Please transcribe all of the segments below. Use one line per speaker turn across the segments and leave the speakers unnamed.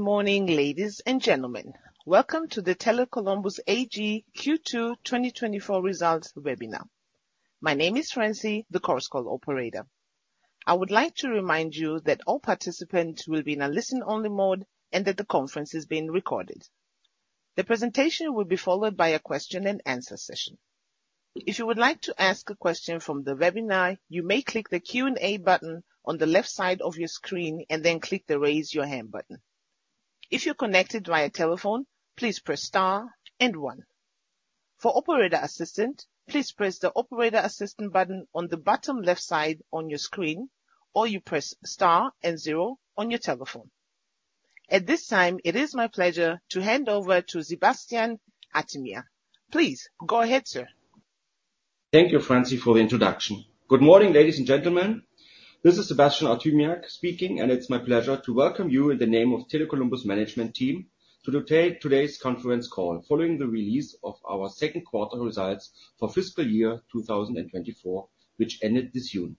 Good morning, ladies and gentlemen. Welcome to the Tele Columbus AG Q2 2024 results webinar. My name is Francie, the conference operator. I would like to remind you that all participants will be in a listen-only mode and that the conference is being recorded. The presentation will be followed by a question-and-answer session. If you would like to ask a question from the webinar, you may click the Q&A button on the left side of your screen and then click the Raise Your Hand button. If you're connected via telephone, please press star and one. For operator assistance, please press the operator assistance button on the bottom left side of your screen, or you press star and zero on your telephone. At this time, it is my pleasure to hand over to Sebastian Artymiak. Please go ahead, sir.
Thank you, Francie, for the introduction. Good morning, ladies and gentlemen. This is Sebastian Artymiak speaking, and it's my pleasure to welcome you in the name of Tele Columbus management team to today, today's conference call, following the release of our second quarter results for fiscal year 2024, which ended this June.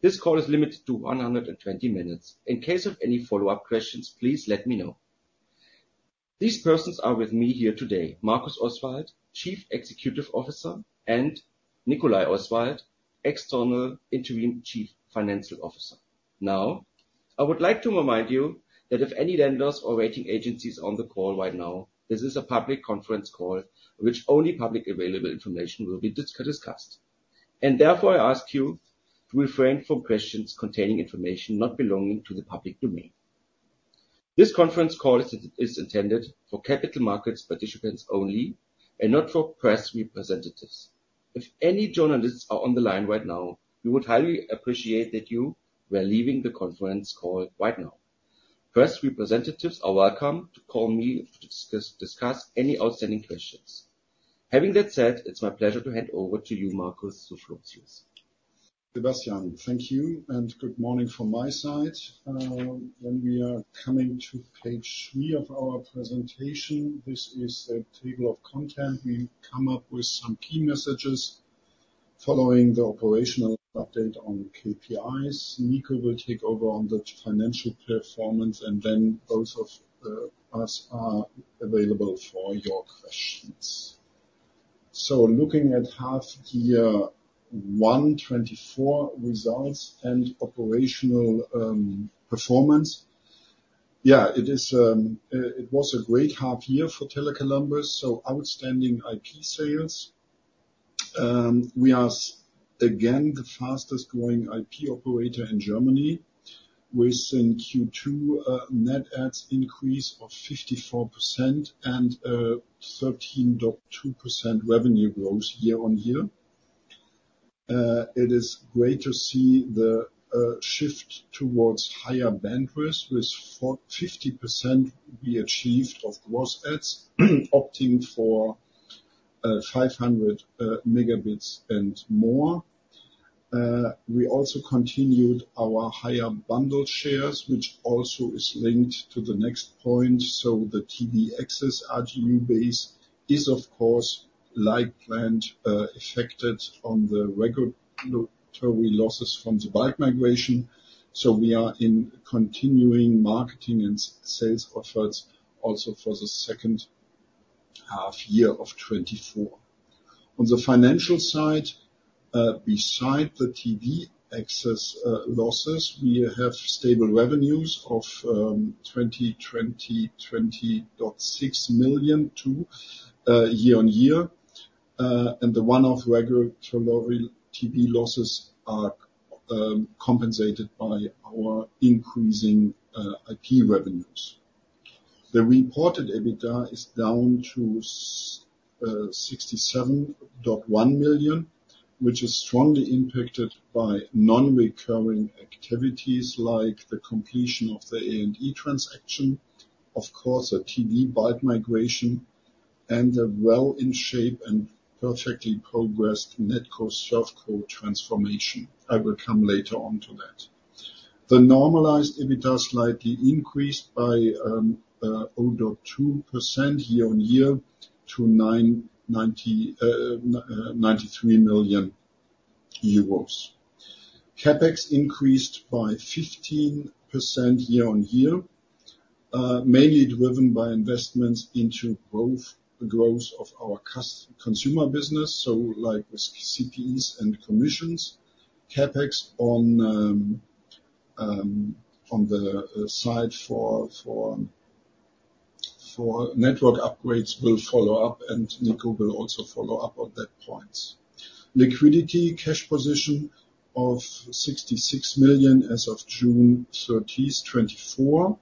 This call is limited to 120 minutes. In case of any follow-up questions, please let me know. These persons are with me here today: Markus Oswald, Chief Executive Officer, and Nicolai Oswald, External Interim Chief Financial Officer. Now, I would like to remind you that if any lenders or rating agencies on the call right now, this is a public conference call, which only publicly available information will be discussed, and therefore I ask you to refrain from questions containing information not belonging to the public domain. This conference call is intended for capital markets participants only and not for press representatives. If any journalists are on the line right now, we would highly appreciate that you were leaving the conference call right now. Press representatives are welcome to call me to discuss any outstanding questions. Having that said, it's my pleasure to hand over to you, Markus.
Sebastian, thank you, and good morning from my side. When we are coming to page three of our presentation, this is a table of content. We come up with some key messages following the operational update on KPIs. Nico will take over on the financial performance, and then both of us are available for your questions. So looking at half year 2024 results and operational performance. Yeah, it was a great half year for Tele Columbus, so outstanding IP sales. We are again the fastest growing IP operator in Germany, with in Q2 net adds increase of 54% and 13.2% revenue growth year-on-year. It is great to see the shift towards higher bandwidth, with 45% we achieved of gross adds opting for 500 Mb and more. We also continued our higher bundle shares, which also is linked to the next point. So the TV access RGU base is, of course, like planned, affected on the regulatory losses from the bulk migration. So we are in continuing marketing and sales efforts also for the second half year of 2024. On the financial side, beside the TV access losses, we have stable revenues of 202.6 million year-on-year. And the one-off regulatory TV losses are compensated by our increasing IP revenues. The reported EBITDA is down to 67.1 million, which is strongly impacted by non-recurring activities like the completion of the A&E transaction. Of course, a TV bulk migration and a well in shape and perfectly progressed NetCo-ServCo transformation. I will come later on to that. The normalized EBITDA slightly increased by 0.2% year-on-year to EUR 93 million. CapEx increased by 15% year-on-year, mainly driven by investments into both growth of our consumer business, so like with CPEs and commissions. CapEx on the side for network upgrades will follow up, and Nico will also follow up on that point. Liquidity cash position of 66 million as of June 30, 2024,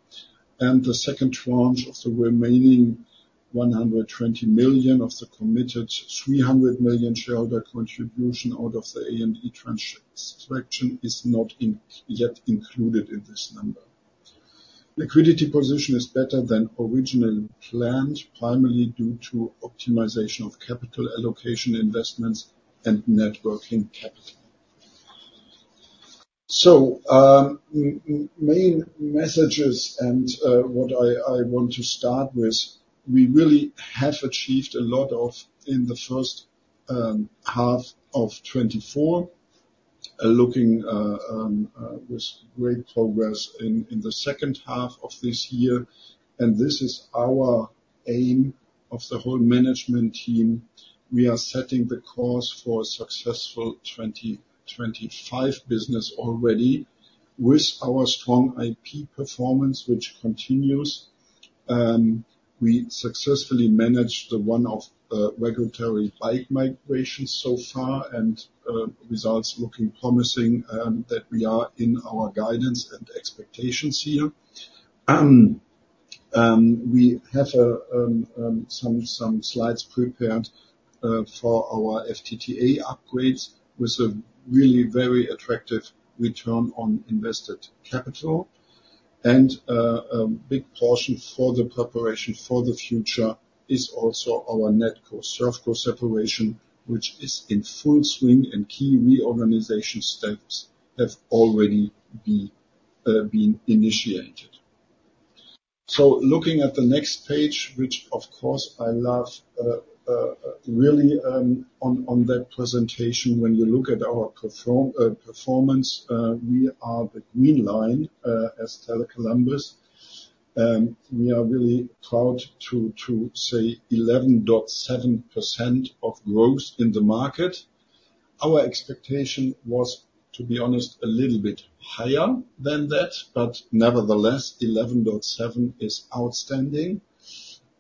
and the second tranche of the remaining 120 million of the committed 300 million shareholder contribution out of the A&E Transaction is not yet included in this number. Liquidity position is better than originally planned, primarily due to optimization of capital allocation investments and net working capital. Main messages and what I want to start with, we really have achieved a lot in the first half of 2024, looking with great progress in the second half of this year, and this is our aim of the whole management team. We are setting the course for a successful 2025 business already with our strong IP performance, which continues. We successfully managed the one-off regulatory bulk migration so far, and results looking promising that we are in our guidance and expectations here. We have some slides prepared for our FTTH upgrades, with a really very attractive return on invested capital. A big portion for the preparation for the future is also our NetCo-ServCo separation, which is in full swing, and key reorganization steps have already been initiated. Looking at the next page, which, of course, I love, really, on that presentation, when you look at our performance, we are the green line as Tele Columbus. We are really proud to say 11.7% of growth in the market. Our expectation was, to be honest, a little bit higher than that, but nevertheless, 11.7% is outstanding.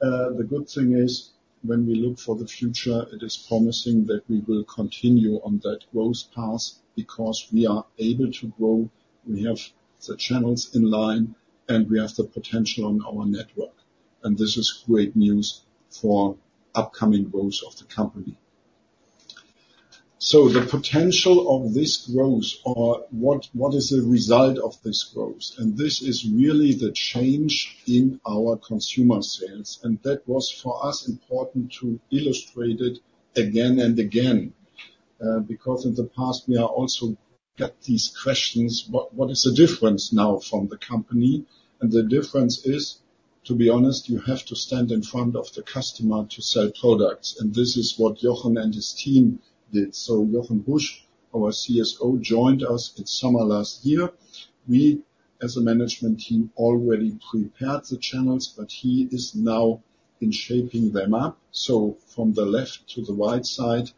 The good thing is, when we look for the future, it is promising that we will continue on that growth path, because we are able to grow. We have the channels in line, and we have the potential on our network, and this is great news for upcoming growth of the company. So the potential of this growth, or what, what is the result of this growth? And this is really the change in our consumer sales, and that was, for us, important to illustrate it again and again, because in the past, we are also get these questions: What, what is the difference now from the company? And the difference is, to be honest, you have to stand in front of the customer to sell products, and this is what Jochen and his team did. So Jochen Busch, our CSO, joined us in summer last year. We, as a management team, already prepared the channels, but he is now in shaping them up. So from the left to the right side,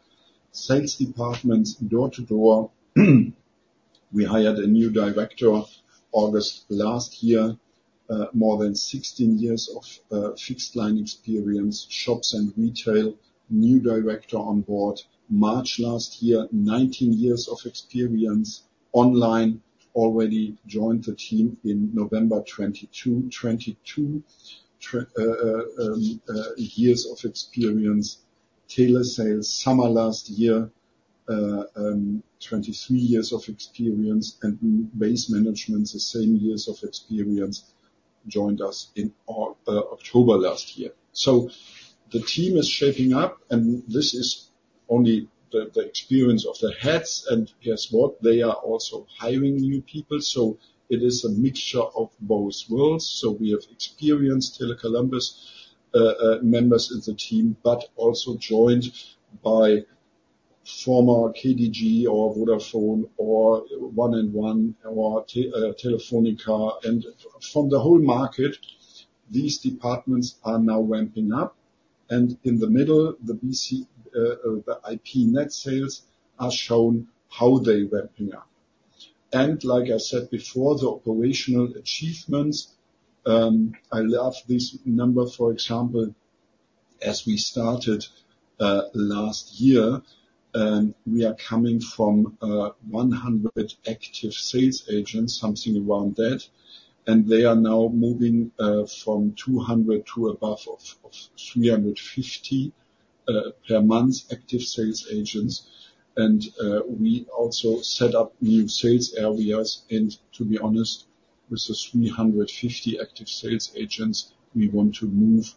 sales departments, door-to-door, we hired a new director, August last year, more than sixteen years of fixed line experience, shops and retail. New Director on board, March last year, 19 years of experience. Online, already joined the team in November 22 years of experience. Telesales, summer last year, 23 years of experience, and base management, the same years of experience, joined us in October last year. So the team is shaping up, and this is only the experience of the heads. And guess what? They are also hiring new people, so it is a mixture of both worlds. So we have experienced Tele Columbus members of the team, but also joined by former KDG, or Vodafone, or 1&1, or Telefónica. From the whole market, these departments are now ramping up, and in the middle, the BC IP net sales are shown how they're ramping up. Like I said before, the operational achievements, I love this number. For example, as we started last year, we are coming from 100 active sales agents, something around that, and they are now moving from 200 to above 350 per month, active sales agents. We also set up new sales areas, and to be honest, with the 350 active sales agents, we want to move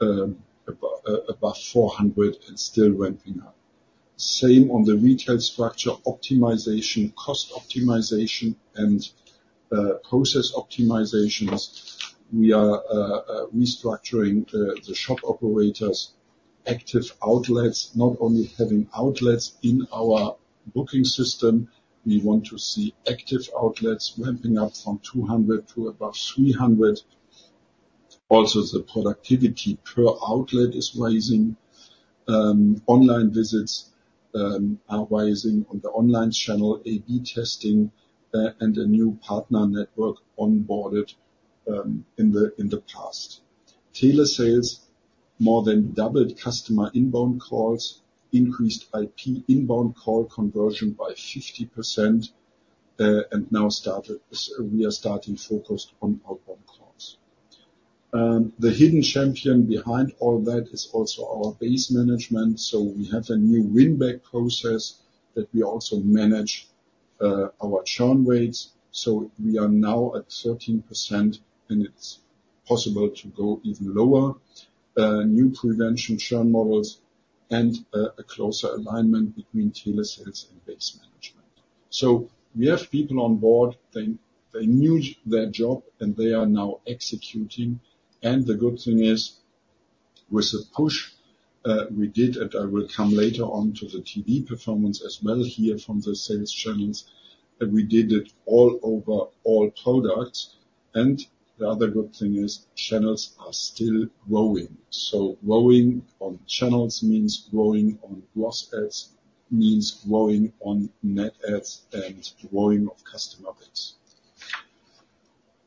above 400, and still ramping up. Same on the retail structure, optimization, cost optimization, and process optimizations. We are restructuring the shop operators' active outlets, not only having outlets in our booking system. We want to see active outlets ramping up from 200 to about 300. Also, the productivity per outlet is rising. Online visits are rising on the online channel, A/B testing, and a new partner network onboarded in the past. Telesales more than doubled customer inbound calls, increased IP inbound call conversion by 50%, and now started, we are starting focused on outbound calls. The hidden champion behind all that is also our base management, so we have a new win-back process that we also manage our churn rates, so we are now at 13%, and it's possible to go even lower. New prevention churn models and a closer alignment between Telesales and base management. So we have people on board. They knew their job, and they are now executing. And the good thing is with the push we did, and I will come later on to the TV performance as well here from the sales channels, and we did it all over all products. And the other good thing is channels are still growing. So growing on channels means growing on gross adds, means growing on net adds, and growing of customer base.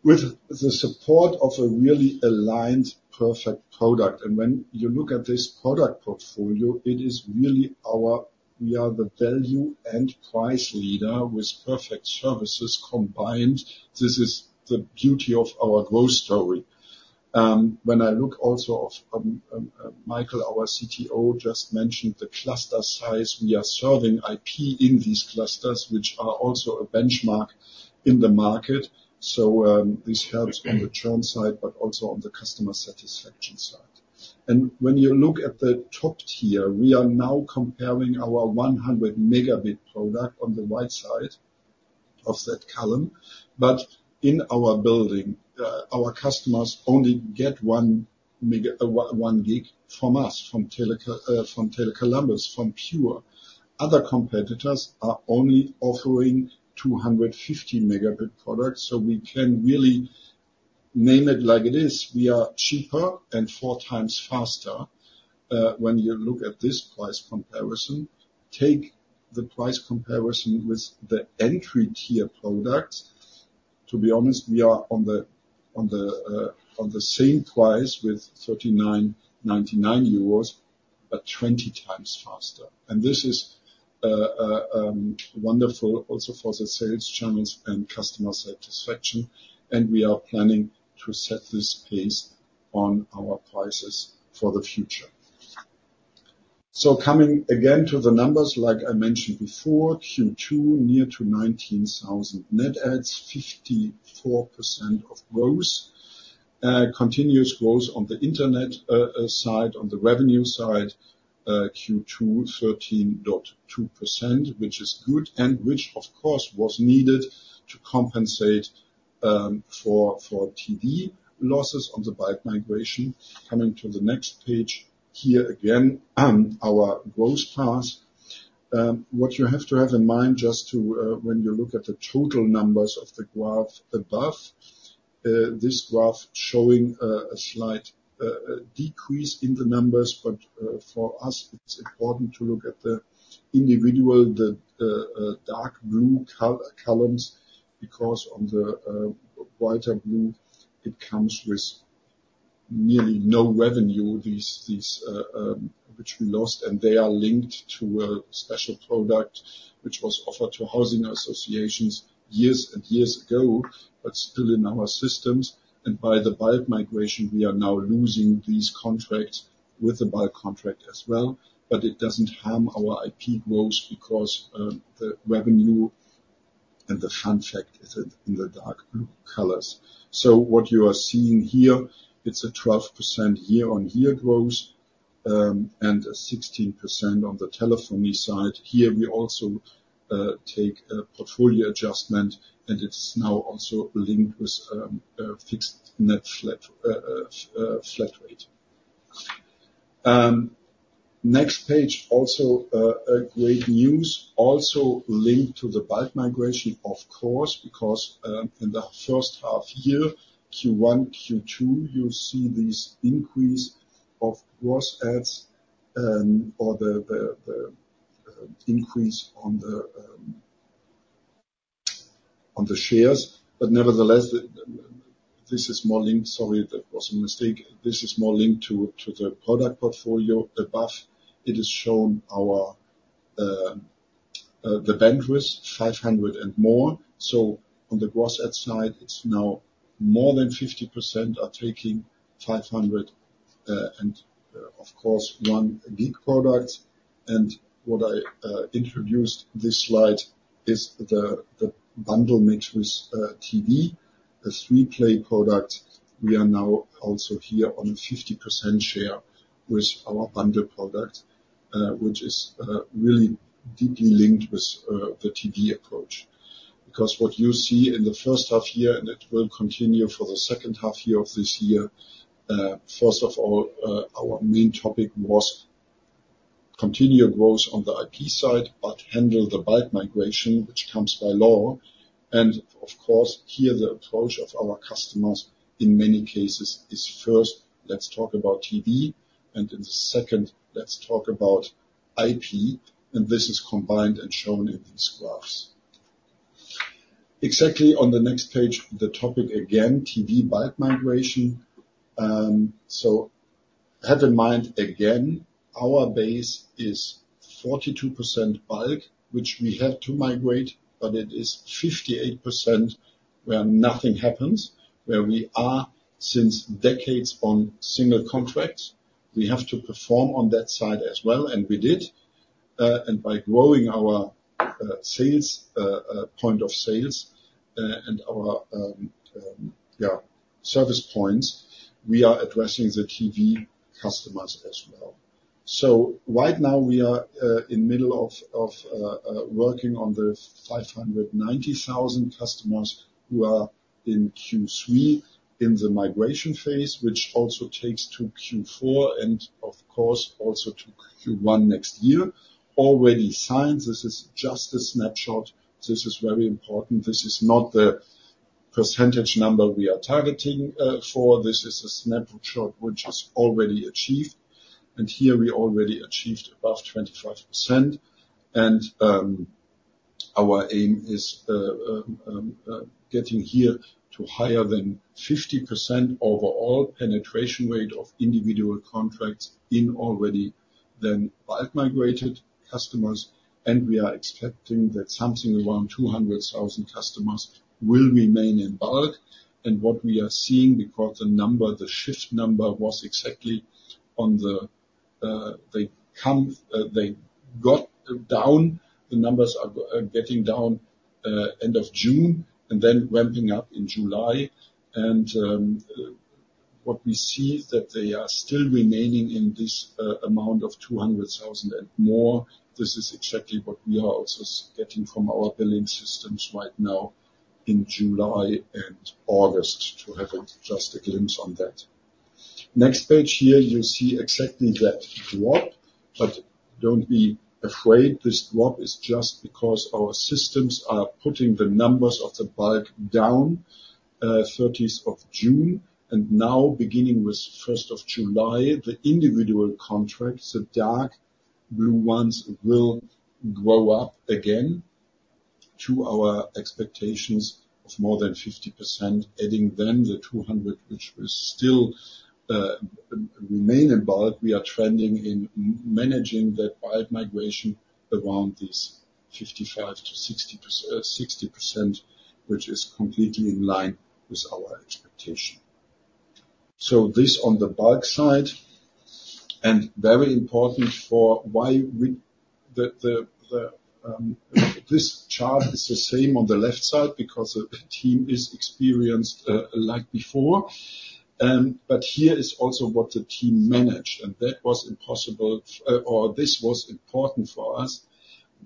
With the support of a really aligned perfect product, and when you look at this product portfolio, it is really our- we are the value and price leader with perfect services combined. This is the beauty of our growth story. When I look also of, Michael, our CTO, just mentioned the cluster size. We are serving IP in these clusters, which are also a benchmark in the market. So, this helps on the churn side, but also on the customer satisfaction side. And when you look at the top tier, we are now comparing our 100 Mb product on the right side of that column. But in our building, our customers only get one gig from us, from Tele Columbus, from PŸUR. Other competitors are only offering 250 Mb products, so we can really name it like it is. We are cheaper and 4x faster, when you look at this price comparison. Take the price comparison with the entry tier product. To be honest, we are on the same price with 39.99 euros, but 20x faster. And this is wonderful also for the sales channels and customer satisfaction, and we are planning to set this pace on our prices for the future. So coming again to the numbers, like I mentioned before, Q2 near to 19,000 net adds, 54% growth. Continuous growth on the internet side, on the revenue side, Q2 13.2%, which is good and which, of course, was needed to compensate for TV losses on the bulk migration. Coming to the next page. Here, again, our growth path. What you have to have in mind, just to, when you look at the total numbers of the graph above, this graph showing, a slight, decrease in the numbers, but, for us, it's important to look at the individual, the, dark blue columns, because on the, lighter blue, it comes with nearly no revenue. These, which we lost, and they are linked to a special product which was offered to housing associations years and years ago, but still in our systems. And by the bulk migration, we are now losing these contracts with the bulk contract as well, but it doesn't harm our IP growth, because, the revenue and the fun fact is in, in the dark blue colors. So what you are seeing here, it's a 12% year-on-year growth, and a 16% on the telephony side. Here, we also take a portfolio adjustment, and it's now also linked with a fixed net flat rate. Next page, also a great news, also linked to the bulk migration, of course, because in the first half year, Q1, Q2, you see this increase of gross adds, or the increase on the shares. But nevertheless, this is more linked. Sorry, that was a mistake. This is more linked to the product portfolio. Above, it is shown our bandwidth, 500 and more. So on the gross add side, it's now more than 50% are taking 500, and of course, 1 gig product. And what I introduced this slide is the bundle matrix TV. The three play product, we are now also here on 50% share with our bundle product, which is really deeply linked with the TV approach. Because what you see in the first half year, and it will continue for the second half year of this year, first of all, our main topic was continue growth on the IP side, but handle the bulk migration, which comes by law. And of course, here, the approach of our customers, in many cases, is first, let's talk about TV, and then second, let's talk about IP, and this is combined and shown in these graphs. Exactly on the next page, the topic, again, TV bulk migration. So have in mind, again, our base is 42% bulk, which we have to migrate, but it is 58% where nothing happens, where we are, since decades, on single contracts. We have to perform on that side as well, and we did. And by growing our sales point of sales and our service points, we are addressing the TV customer base. So right now we are in middle of working on the 590,000 customers who are in Q3 in the migration phase, which also takes to Q4, and of course, also to Q1 next year. Already signed, this is just a snapshot. This is very important. This is not the percentage number we are targeting for. This is a snapshot which is already achieved, and here we already achieved above 25%. Our aim is getting here to higher than 50% overall penetration rate of individual contracts in already then bulk migrated customers, and we are expecting that something around 200,000 customers will remain in bulk. What we are seeing, because the number, the shift number was exactly on the, the numbers are getting down end of June, and then ramping up in July. What we see is that they are still remaining in this amount of 200,000 and more. This is exactly what we are also getting from our billing systems right now in July and August, to have just a glimpse on that. Next page here, you see exactly that drop, but don't be afraid. This drop is just because our systems are putting the numbers of the bulk down, 30th of June, and now beginning with 1st of July, the individual contracts, the dark blue ones, will go up again to our expectations of more than 50%, adding then the 200, which will still remain in bulk. We are trending in managing that bulk migration around this 55%-60%, which is completely in line with our expectation. This on the bulk side, and very important for why this chart is the same on the left side, because the team is experienced, like before. But here is also what the team managed, and that was impossible, or this was important for us,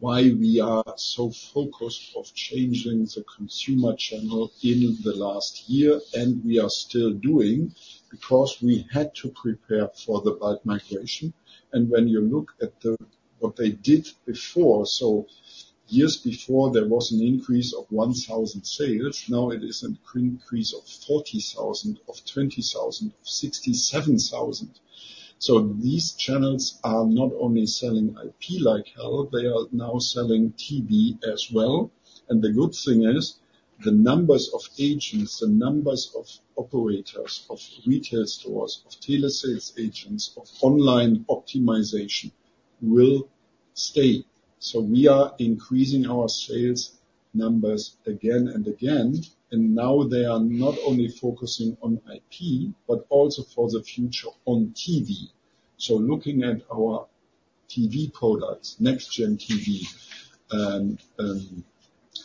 why we are so focused of changing the consumer channel in the last year, and we are still doing, because we had to prepare for the bulk migration. And when you look at the, what they did before, so years before, there was an increase of 1,000 sales. Now it is an increase of 40,000, of 20,000, of 67,000. So these channels are not only selling IP like hell, they are now selling TV as well. And the good thing is, the numbers of agents, the numbers of operators, of retail stores, of Telesales agents, of online optimization, will stay. So we are increasing our sales numbers again and again, and now they are not only focusing on IP, but also for the future on TV. Looking at our TV products, Next-Gen TV, and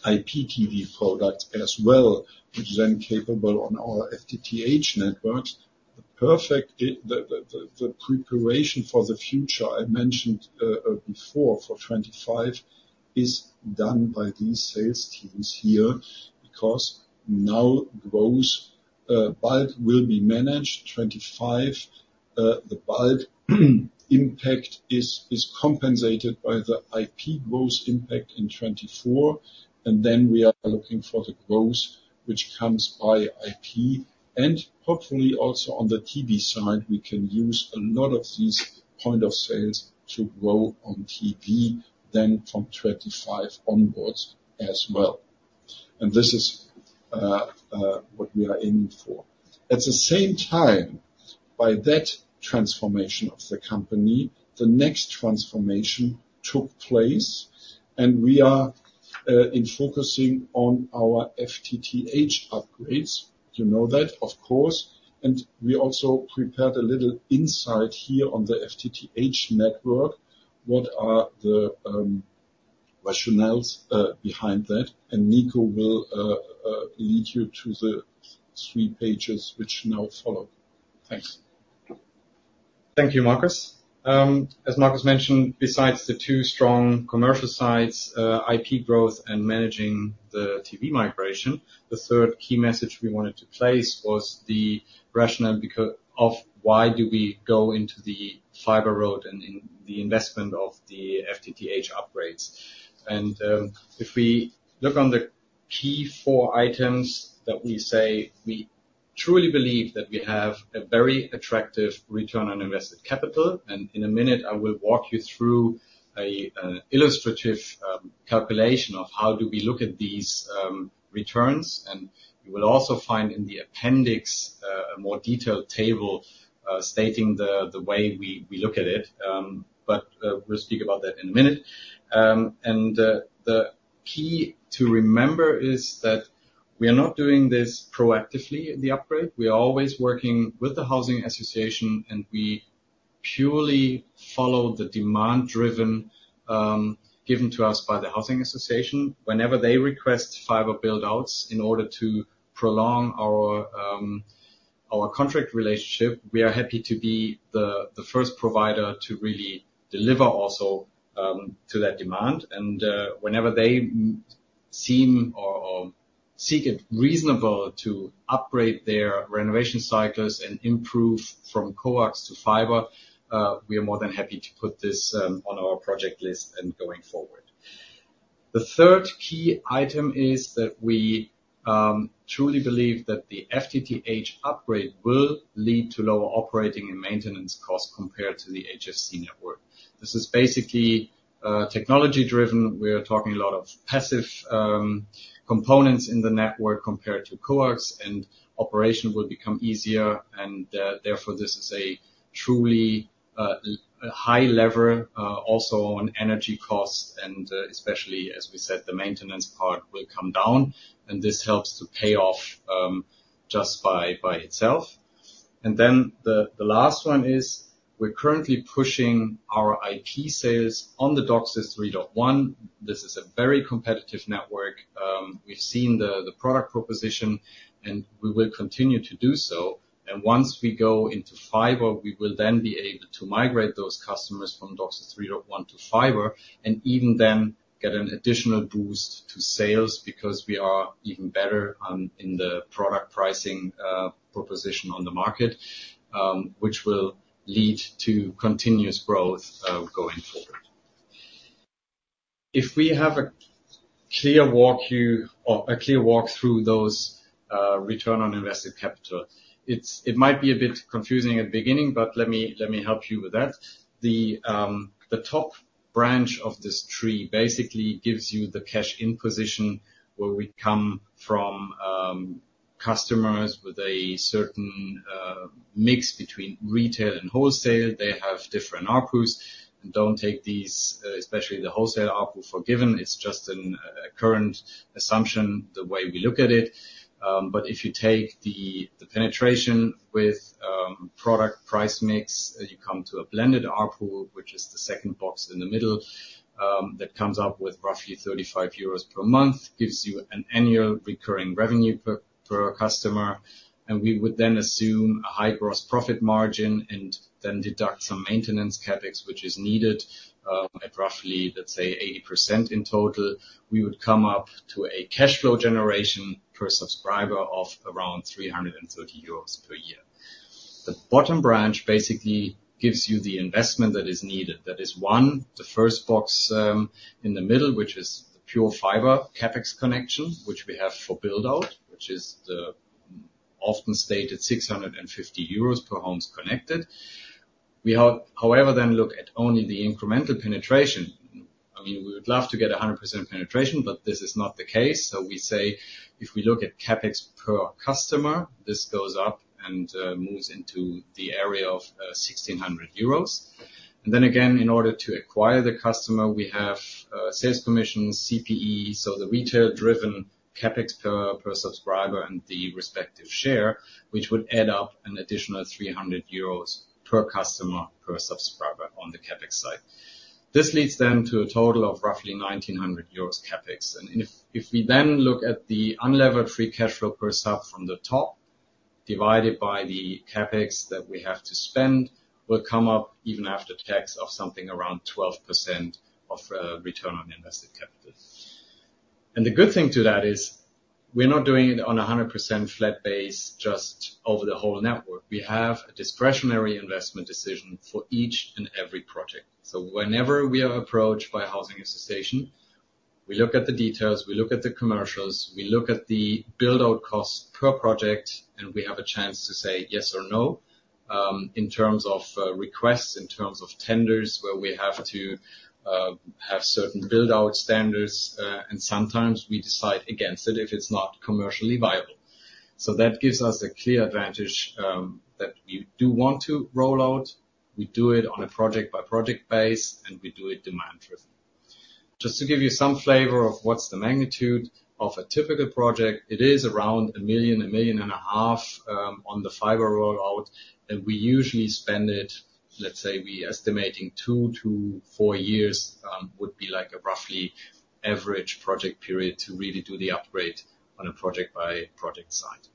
IPTV products as well, which is then capable on our FTTH networks. The perfect preparation for the future, I mentioned before for 2025, is done by these sales teams here, because now those bulk will be managed. 2025, the bulk impact is compensated by the IP growth impact in 2024, and then we are looking for the growth, which comes by IP. And hopefully also on the TV side, we can use a lot of these point of sales to grow on TV then from 2025 onwards as well. And this is what we are in for. At the same time, by that transformation of the company, the next transformation took place, and we are focusing on our FTTH upgrades. You know that, of course, and we also prepared a little insight here on the FTTH network. What are the rationales behind that? And Nico will lead you to the three pages which now follow. Thanks.
Thank you, Markus. As Markus mentioned, besides the two strong commercial sides, IP growth and managing the TV migration, the 3rd key message we wanted to place was the rationale because of why do we go into the fiber road and in the investment of the FTTH upgrades. If we look on the key four items that we say, we truly believe that we have a very attractive return on invested capital, and in a minute, I will walk you through an illustrative calculation of how do we look at these returns. You will also find in the appendix a more detailed table stating the way we look at it, but we'll speak about that in a minute. The key to remember is that we are not doing this proactively, the upgrade. We are always working with the housing association, and we purely follow the demand driven given to us by the housing association. Whenever they request fiber buildouts in order to prolong our our contract relationship, we are happy to be the first provider to really deliver also to that demand, and whenever they seem or see it reasonable to upgrade their renovation cycles and improve from coax to fiber, we are more than happy to put this on our project list and going forward. The 3rd key item is that we truly believe that the FTTH upgrade will lead to lower operating and maintenance costs compared to the HFC network. This is basically technology driven. We are talking a lot of passive components in the network compared to coax, and operation will become easier and therefore this is a truly high leverage also on energy costs, and especially as we said, the maintenance part will come down, and this helps to pay off just by, by itself, and then the last one is, we're currently pushing our IT sales on the DOCSIS 3.1. This is a very competitive network. We've seen the product proposition, and we will continue to do so. And once we go into fiber, we will then be able to migrate those customers from DOCSIS 3.1 to fiber, and even then get an additional boost to sales, because we are even better on in the product pricing proposition on the market, which will lead to continuous growth going forward. If we have a clear walkthrough of those return on invested capital, it might be a bit confusing at the beginning, but let me, let me help you with that. The top branch of this tree basically gives you the cash in position, where we come from, customers with a certain mix between retail and wholesale. They have different ARPU. Don't take these, especially the wholesale ARPU, for granted. It's just a current assumption, the way we look at it. But if you take the penetration with product price mix, you come to a blended ARPU, which is the second box in the middle. That comes up with roughly 35 euros per month, gives you an annual recurring revenue per customer, and we would then assume a high gross profit margin, and then deduct some maintenance CapEx, which is needed at roughly, let's say, 80% in total. We would come up to a cash flow generation per subscriber of around 330 euros per year. The bottom branch basically gives you the investment that is needed. That is one, the first box in the middle, which is the PŸUR fiber CapEx connection, which we have for build-out, which is the often stated 650 euros per homes connected. We however then look at only the incremental penetration. I mean, we would love to get 100% penetration, but this is not the case. So we say, if we look at CapEx per customer, this goes up and moves into the area of 1,600 euros. And then again, in order to acquire the customer, we have sales commissions, CPE, so the retail-driven CapEx per subscriber, and the respective share, which would add up an additional 300 euros per customer, per subscriber on the CapEx side. This leads then to a total of roughly 1,900 euros CapEx. And if we then look at the unlevered free cash flow per sub from the top, divided by the CapEx that we have to spend, will come up even after tax of something around 12% of Return on Invested Capital. And the good thing to that is, we're not doing it on a 100% flat basis, just over the whole network. We have a discretionary investment decision for each and every project. So whenever we are approached by a housing association, we look at the details, we look at the commercials, we look at the buildout costs per project, and we have a chance to say yes or no. In terms of requests, in terms of tenders, where we have to have certain build-out standards, and sometimes we decide against it if it's not commercially viable. So that gives us a clear advantage that we do want to roll out. We do it on a project-by-project basis, and we do it demand-driven. Just to give you some flavor of what's the magnitude of a typical project. It is around 1 million-1.5 million on the fiber rollout, and we usually spend it. Let's say we estimating 2 to 4 years would be like a roughly average project period to really do the upgrade on a project-by-project site.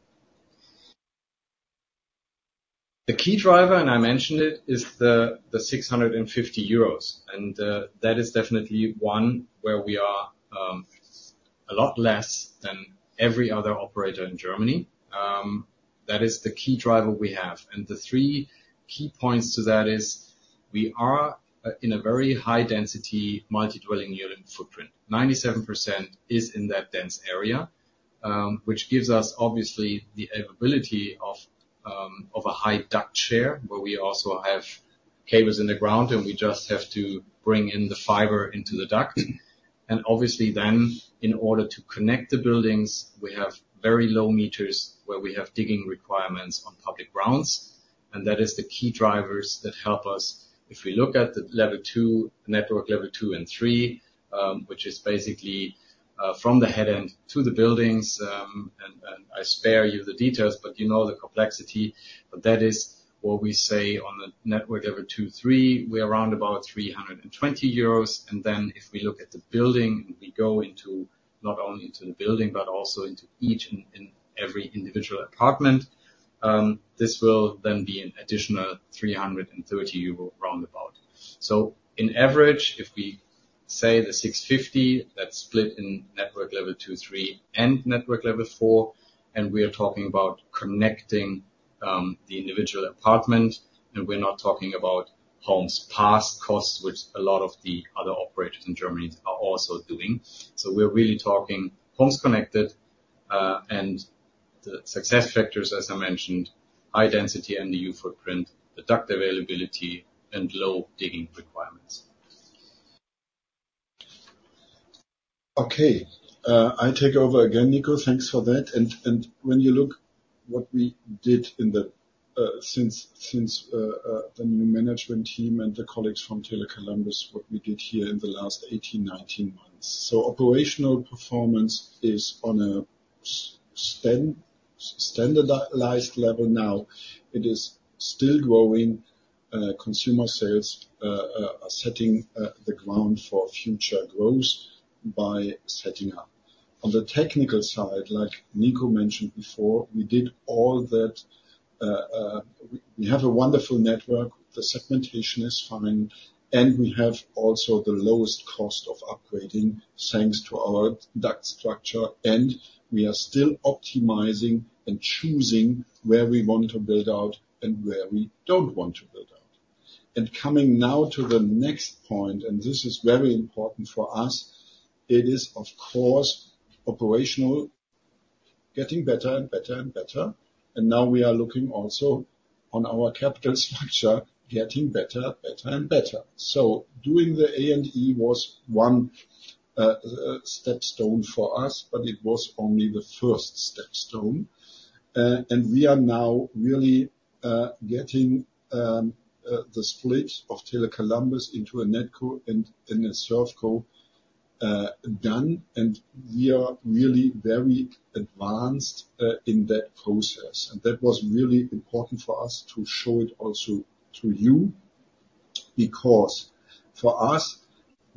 The key driver, and I mentioned it, is the 650 euros, and that is definitely one where we are a lot less than every other operator in Germany. That is the key driver we have. And the 3 key points to that is, we are in a very high density multi-dwelling unit footprint. 97% is in that dense area, which gives us obviously the ability of a high duct share, where we also have cables in the ground, and we just have to bring in the fiber into the duct. And obviously then, in order to connect the buildings, we have very low meters where we have digging requirements on public grounds, and that is the key drivers that help us. If we look at the Level 2/3 network, Level 2 and 3, which is basically from the headend to the buildings, and I spare you the details, but you know the complexity. But that is what we say on the Network Level 2, 3, we are around about 320 euros. And then if we look at the building, we go into not only into the building, but also into each and every individual apartment. This will then be an additional 330 euro, roundabout. So on average, if we say the 650, that's split in Network Level 2, 3, and Network Level 4, and we are talking about connecting the individual apartment, and we're not talking about homes passed costs, which a lot of the other operators in Germany are also doing. So we're really talking homes connected, and the success factors, as I mentioned, high-density MDU footprint, the duct availability, and low digging requirements.
Okay. I take over again, Nico. Thanks for that and when you look what we did in the since the new management team and the colleagues from Tele Columbus, what we did here in the last eighteen, 19 months. Operational performance is on a standardized level now. It is still growing, consumer sales are setting the ground for future growth by setting up. On the technical side, like Nico mentioned before, we did all that. We have a wonderful network, the segmentation is fine, and we have also the lowest cost of upgrading, thanks to our duct structure, and we are still optimizing and choosing where we want to build out and where we don't want to build out. Coming now to the next point, and this is very important for us. It is, of course, operational, getting better and better and better, and now we are looking also on our capital structure, getting better, better and better. Doing the A&E was one stepping stone for us, but it was only the first stepping stone. And we are now really getting the split of Tele Columbus into a NetCo and ServCo done, and we are really very advanced in that process. That was really important for us to show it also to you, because for us,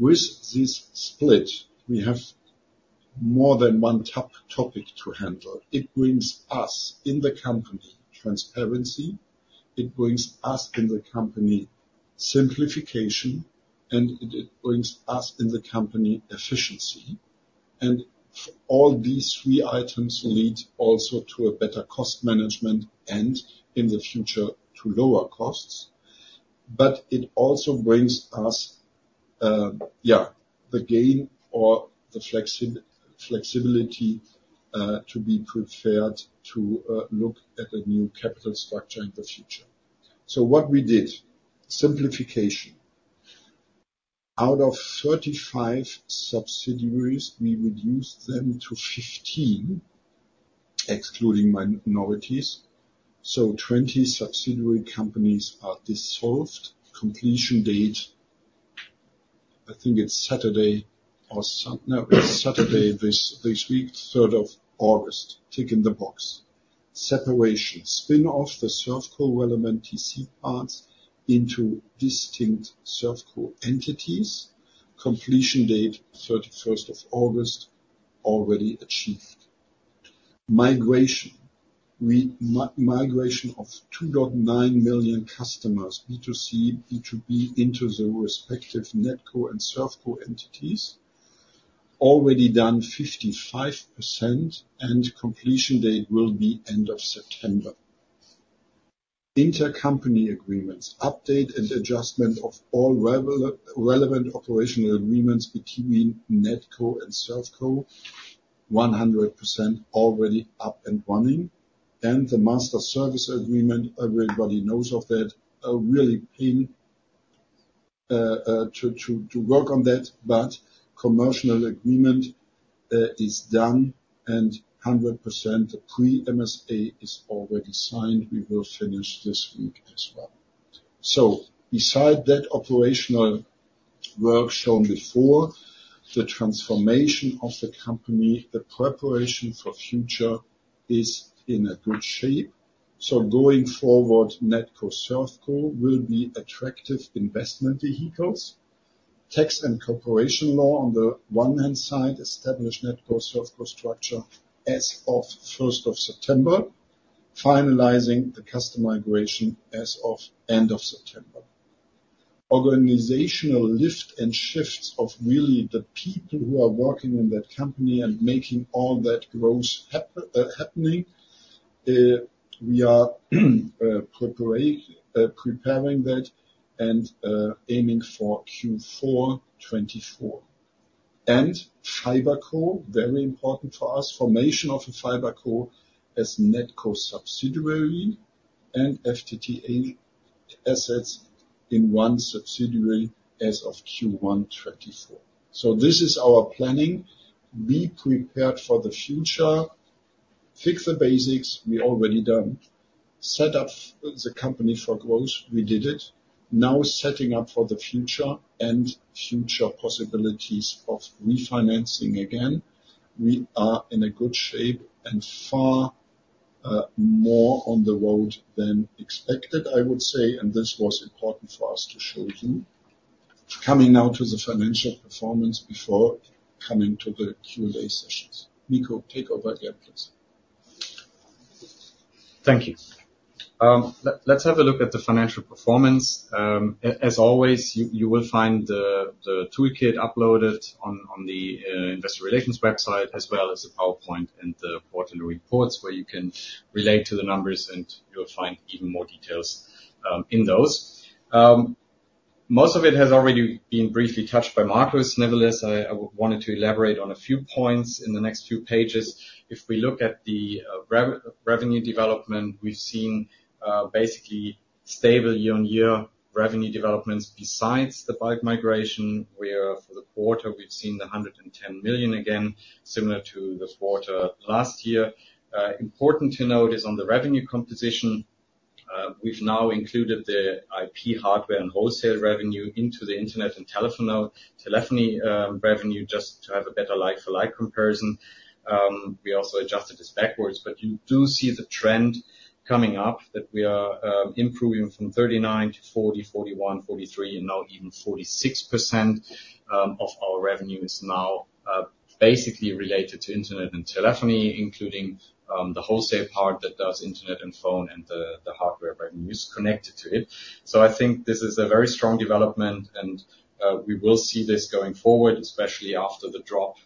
with this split, we have more than one topic to handle. It brings us in the company transparency, it brings us in the company simplification, and it brings us in the company efficiency. All these three items lead also to a better cost management and in the future, to lower costs. But it also brings us the gain or the flexibility to be prepared to look at a new capital structure in the future. So what we did, simplification. Out of 35 subsidiaries, we reduced them to 15, excluding minorities, so 20 subsidiary companies are dissolved. Completion date, I think it's Saturday, this week, 3rd of August. Tick in the box. Separation. Spin off the ServCo relevant EC parts into distinct ServCo entities. Completion date, 31st of August, already achieved. Migration. Migration of 2.9 million customers, B2C, B2B, into the respective NetCo and ServCo entities. Already done 55%, and completion date will be end of September. Intercompany agreements. Update and adjustment of all relevant operational agreements between NetCo and ServCo, 100% already up and running, and the Master Service Agreement, everybody knows of that, are really in to work on that, but commercial agreement is done and 100% pre-MSA is already signed. We will finish this week as well. Besides that operational work shown before, the transformation of the company, the preparation for future is in a good shape. Going forward, NetCo-ServCo will be attractive investment vehicles. Tax and corporation law on the one hand side, establish NetCo-ServCo structure as of 1st of September, finalizing the customer migration as of end of September. Organizational lift and shifts of really the people who are working in that company and making all that growth happening, we are preparing that and aiming for Q4 2024. And FiberCo, very important for us, formation of a FiberCo as NetCo subsidiary and FTTH assets in one subsidiary as of Q1 2024. So this is our planning. Be prepared for the future, fix the basics, we already done. Set up the company for growth, we did it. Now, setting up for the future and future possibilities of refinancing again. We are in a good shape and far more on the road than expected, I would say, and this was important for us to show you. Coming now to the financial performance before coming to the Q&A sessions. Nico, take over again, please.
Thank you. Let's have a look at the financial performance. As always, you will find the toolkit uploaded on the investor relations website, as well as the PowerPoint and the quarterly reports, where you can relate to the numbers, and you'll find even more details in those. Most of it has already been briefly touched by Markus. Nevertheless, I wanted to elaborate on a few points in the next few pages. If we look at the revenue development, we've seen basically stable year-on-year revenue developments besides the bulk migration, where for the quarter, we've seen 110 million again, similar to this quarter last year. Important to note is on the revenue composition, we've now included the IP, hardware, and wholesale revenue into the internet and telephony revenue, just to have a better like-for-like comparison. We also adjusted this backwards, but you do see the trend coming up that we are improving from 39% to 40%, 41%, 43%, and now even 46% of our revenue is now basically related to internet and telephony, including the wholesale part that does internet and phone, and the hardware revenue is connected to it. So I think this is a very strong development, and we will see this going forward, especially after the drop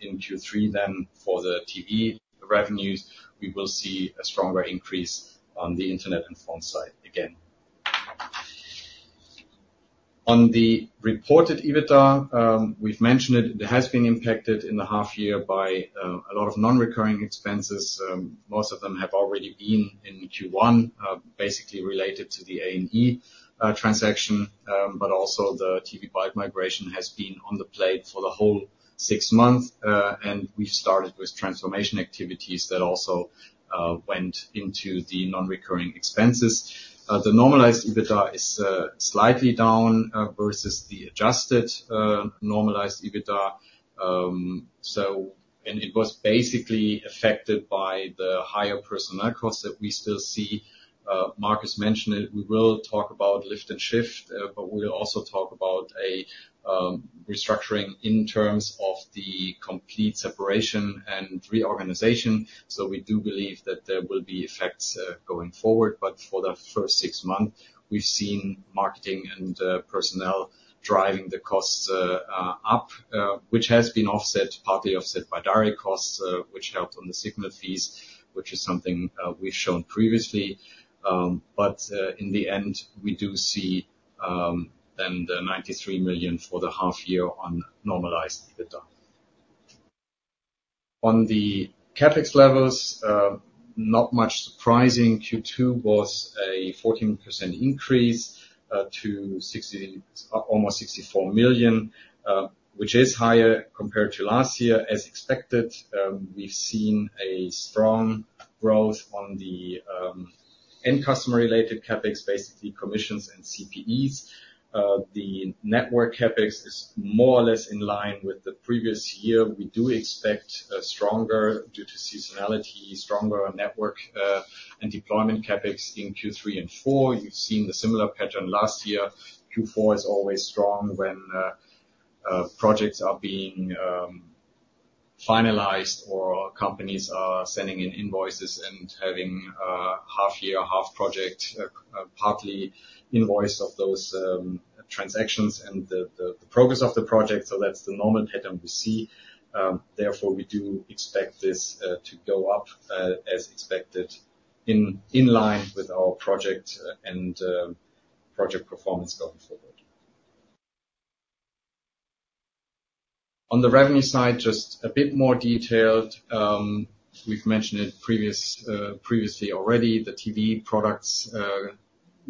in Q3. Then for the TV revenues, we will see a stronger increase on the internet and phone side again. On the reported EBITDA, we've mentioned it, it has been impacted in the half year by a lot of non-recurring expenses. Most of them have already been in Q1, basically related to the A&E transaction. But also the TV bulk migration has been on the plate for the whole six months. And we've started with transformation activities that also went into the non-recurring expenses. The normalized EBITDA is slightly down versus the adjusted normalized EBITDA. And it was basically affected by the higher personnel costs that we still see. Markus mentioned it, we will talk about lift and shift, but we'll also talk about a restructuring in terms of the complete separation and reorganization. So we do believe that there will be effects going forward, but for the first six months, we've seen marketing and personnel driving the costs up, which has been offset, partly offset by direct costs, which helped on the signal fees, which is something we've shown previously. But in the end, we do see then the 93 million for the half year on normalized EBITDA. On the CapEx levels, not much surprising. Q2 was a 14% increase to almost 64 million, which is higher compared to last year. As expected, we've seen a strong growth on the end customer-related CapEx, basically commissions and CPEs. The network CapEx is more or less in line with the previous year. We do expect a stronger, due to seasonality, stronger network and deployment CapEx in Q3 and four. You've seen a similar pattern last year. Q4 is always strong when projects are being finalized, or companies are sending in invoices and having half year, half project partly invoiced of those transactions and the progress of the project. So that's the normal pattern we see. Therefore, we do expect this to go up as expected, in line with our project and project performance going forward. On the revenue side, just a bit more detailed. We've mentioned it previously already. The TV products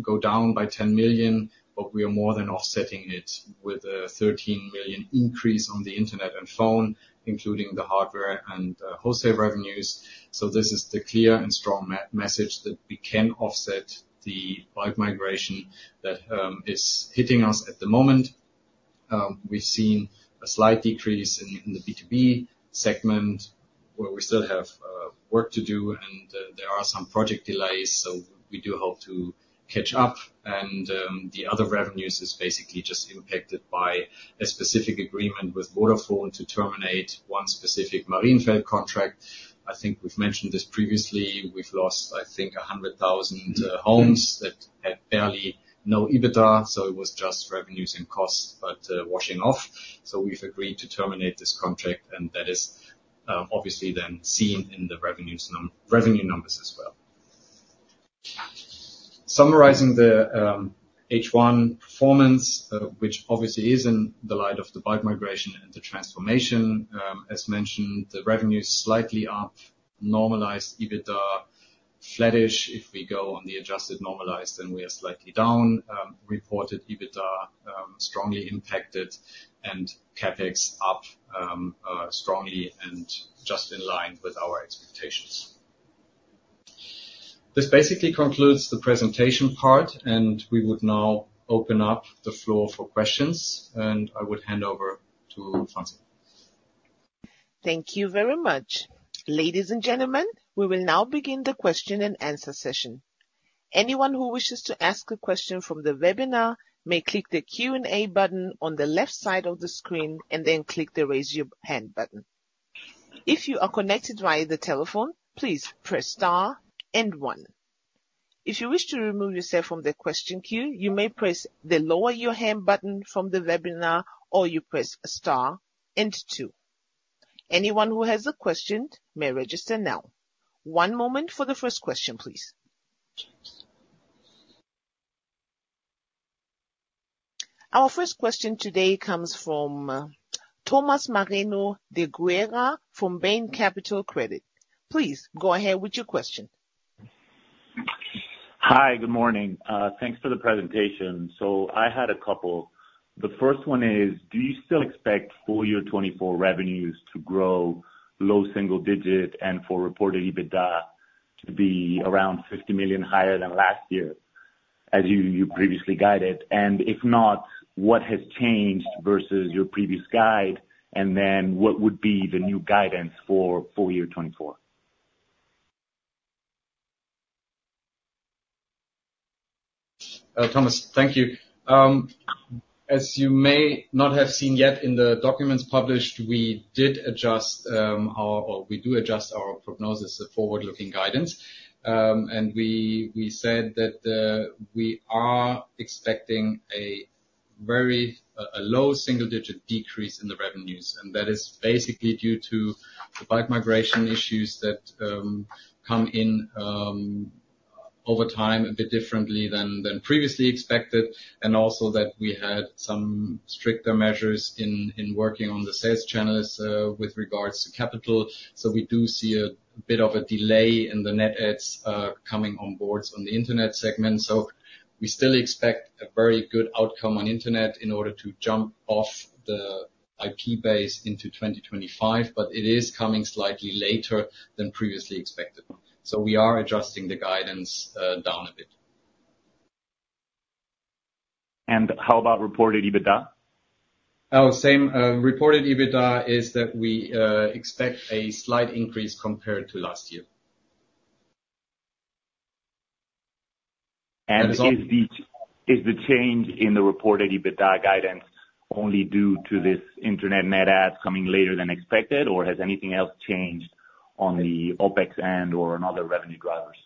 go down by 10 million, but we are more than offsetting it with a 13 million increase on the internet and phone, including the hardware and wholesale revenues. So this is the clear and strong message that we can offset the bulk migration that is hitting us at the moment. We've seen a slight decrease in the B2B segment, where we still have work to do, and there are some project delays, so we do hope to catch up. And the other revenues is basically just impacted by a specific agreement with Vodafone to terminate one specific Marienfelde contract. I think we've mentioned this previously. We've lost, I think, 100,000 homes that had barely no EBITDA, so it was just revenues and costs, but washing off. So we've agreed to terminate this contract, and that is obviously then seen in the revenue numbers as well. Summarizing the H1 performance, which obviously is in the light of the bulk migration and the transformation. As mentioned, the revenue is slightly up, normalized EBITDA flattish. If we go on the adjusted normalized, then we are slightly down. Reported EBITDA strongly impacted and CapEx up strongly and just in line with our expectations. This basically concludes the presentation part, and we would now open up the floor for questions, and I would hand over to Francie.
Thank you very much. Ladies and gentlemen, we will now begin the question-and-answer session. Anyone who wishes to ask a question from the webinar, may click the Q&A button on the left side of the screen and then click the Raise Your Hand button. If you are connected via the telephone, please press star and one. If you wish to remove yourself from the question queue, you may press the Lower Your Hand button from the webinar, or you press star and two. Anyone who has a question may register now. One moment for the first question, please. Our first question today comes from Tomás Moreno de Guerra from Bain Capital Credit. Please go ahead with your question.
Hi, good morning. Thanks for the presentation. So I had a couple. The first one is: Do you still expect full year 2024 revenues to grow low single digit and for reported EBITDA to be around 50 million higher than last year, as you previously guided? And if not, what has changed versus your previous guide? And then what would be the new guidance for full year 2024?
Thomas, thank you. As you may not have seen yet in the documents published, we did adjust, or we do adjust our prognosis, the forward-looking guidance. And we said that we are expecting a very, a low single digit decrease in the revenues, and that is basically due to the bulk migration issues that come in, over time, a bit differently than previously expected, and also that we had some stricter measures in working on the sales channels, with regards to capital. So we do see a bit of a delay in the net adds coming on board on the internet segment. So we still expect a very good outcome on internet in order to jump off the IP base into 2025, but it is coming slightly later than previously expected. We are adjusting the guidance down a bit.
And how about reported EBITDA?
Oh, same. Reported EBITDA is that we expect a slight increase compared to last year.
Is the change in the reported EBITDA guidance only due to this Internet net adds coming later than expected, or has anything else changed on the OpEx end or on other revenue drivers?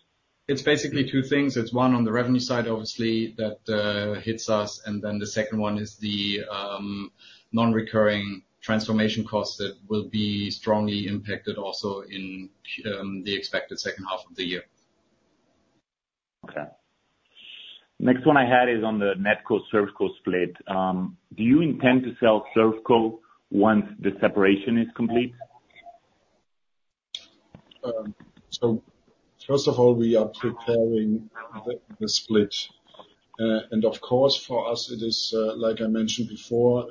It's basically two things. It's one, on the revenue side, obviously, that hits us, and then the second one is the non-recurring transformation costs that will be strongly impacted also in the expected second half of the year.
Okay. Next one I had is on the NetCo-ServCo split. Do you intend to sell ServCo once the separation is complete?
So first of all, we are preparing the split. And of course, for us, it is like I mentioned before,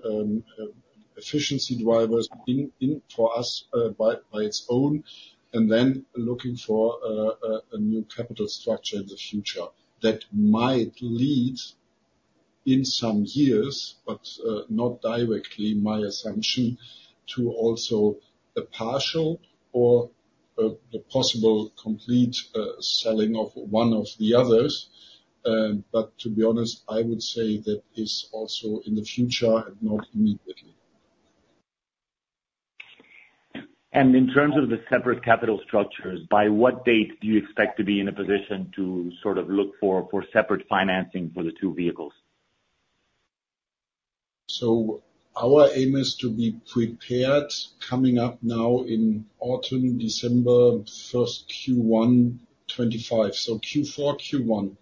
efficiency drivers in for us by its own, and then looking for a new capital structure in the future. That might lead, in some years, but not directly, my assumption, to also a partial or a possible complete selling of one of the others. But to be honest, I would say that is also in the future and not immediately.
In terms of the separate capital structures, by what date do you expect to be in a position to sort of look for separate financing for the two vehicles?
Our aim is to be prepared, coming up now in autumn, December, 1st Q1 2025, so Q4, Q1.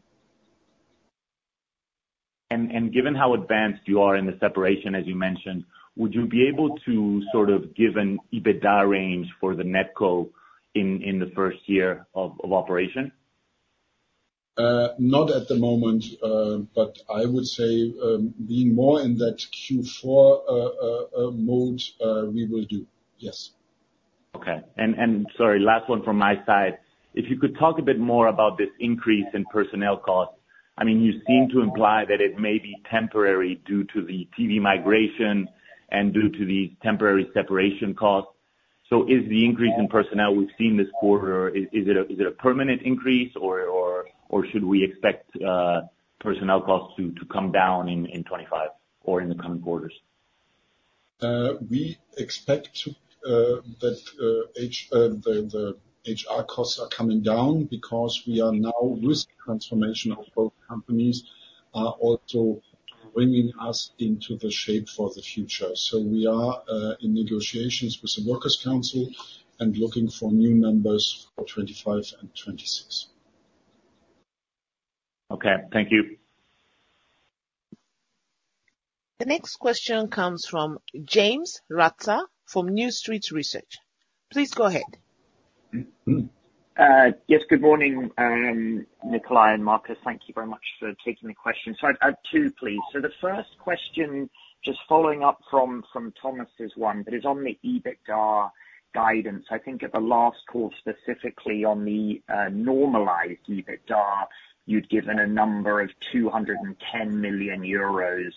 Given how advanced you are in the separation, as you mentioned, would you be able to sort of give an EBITDA range for the NetCo in the first year of operation?
Not at the moment, but I would say, being more in that Q4 mode, we will do. Yes.
Okay. And sorry, last one from my side. If you could talk a bit more about this increase in personnel costs. I mean, you seem to imply that it may be temporary due to the TV migration and due to the temporary separation costs. So is the increase in personnel we've seen this quarter, is it a permanent increase, or should we expect personnel costs to come down in 2025 or in the coming quarters?
We expect that the HR costs are coming down because we are now with transformation of both companies, are also bringing us into the shape for the future, so we are in negotiations with the workers' council and looking for new members for 2025 and 2026.
Okay, thank you.
The next question comes from James Ratzer, from New Street Research. Please go ahead.
Yes, good morning, Nikolai and Markus, thank you very much for taking the question. I have two, please. The first question, just following up from Thomas' one, but is on the EBITDA guidance. I think at the last call, specifically on the normalized EBITDA, you'd given a number of 210 million euros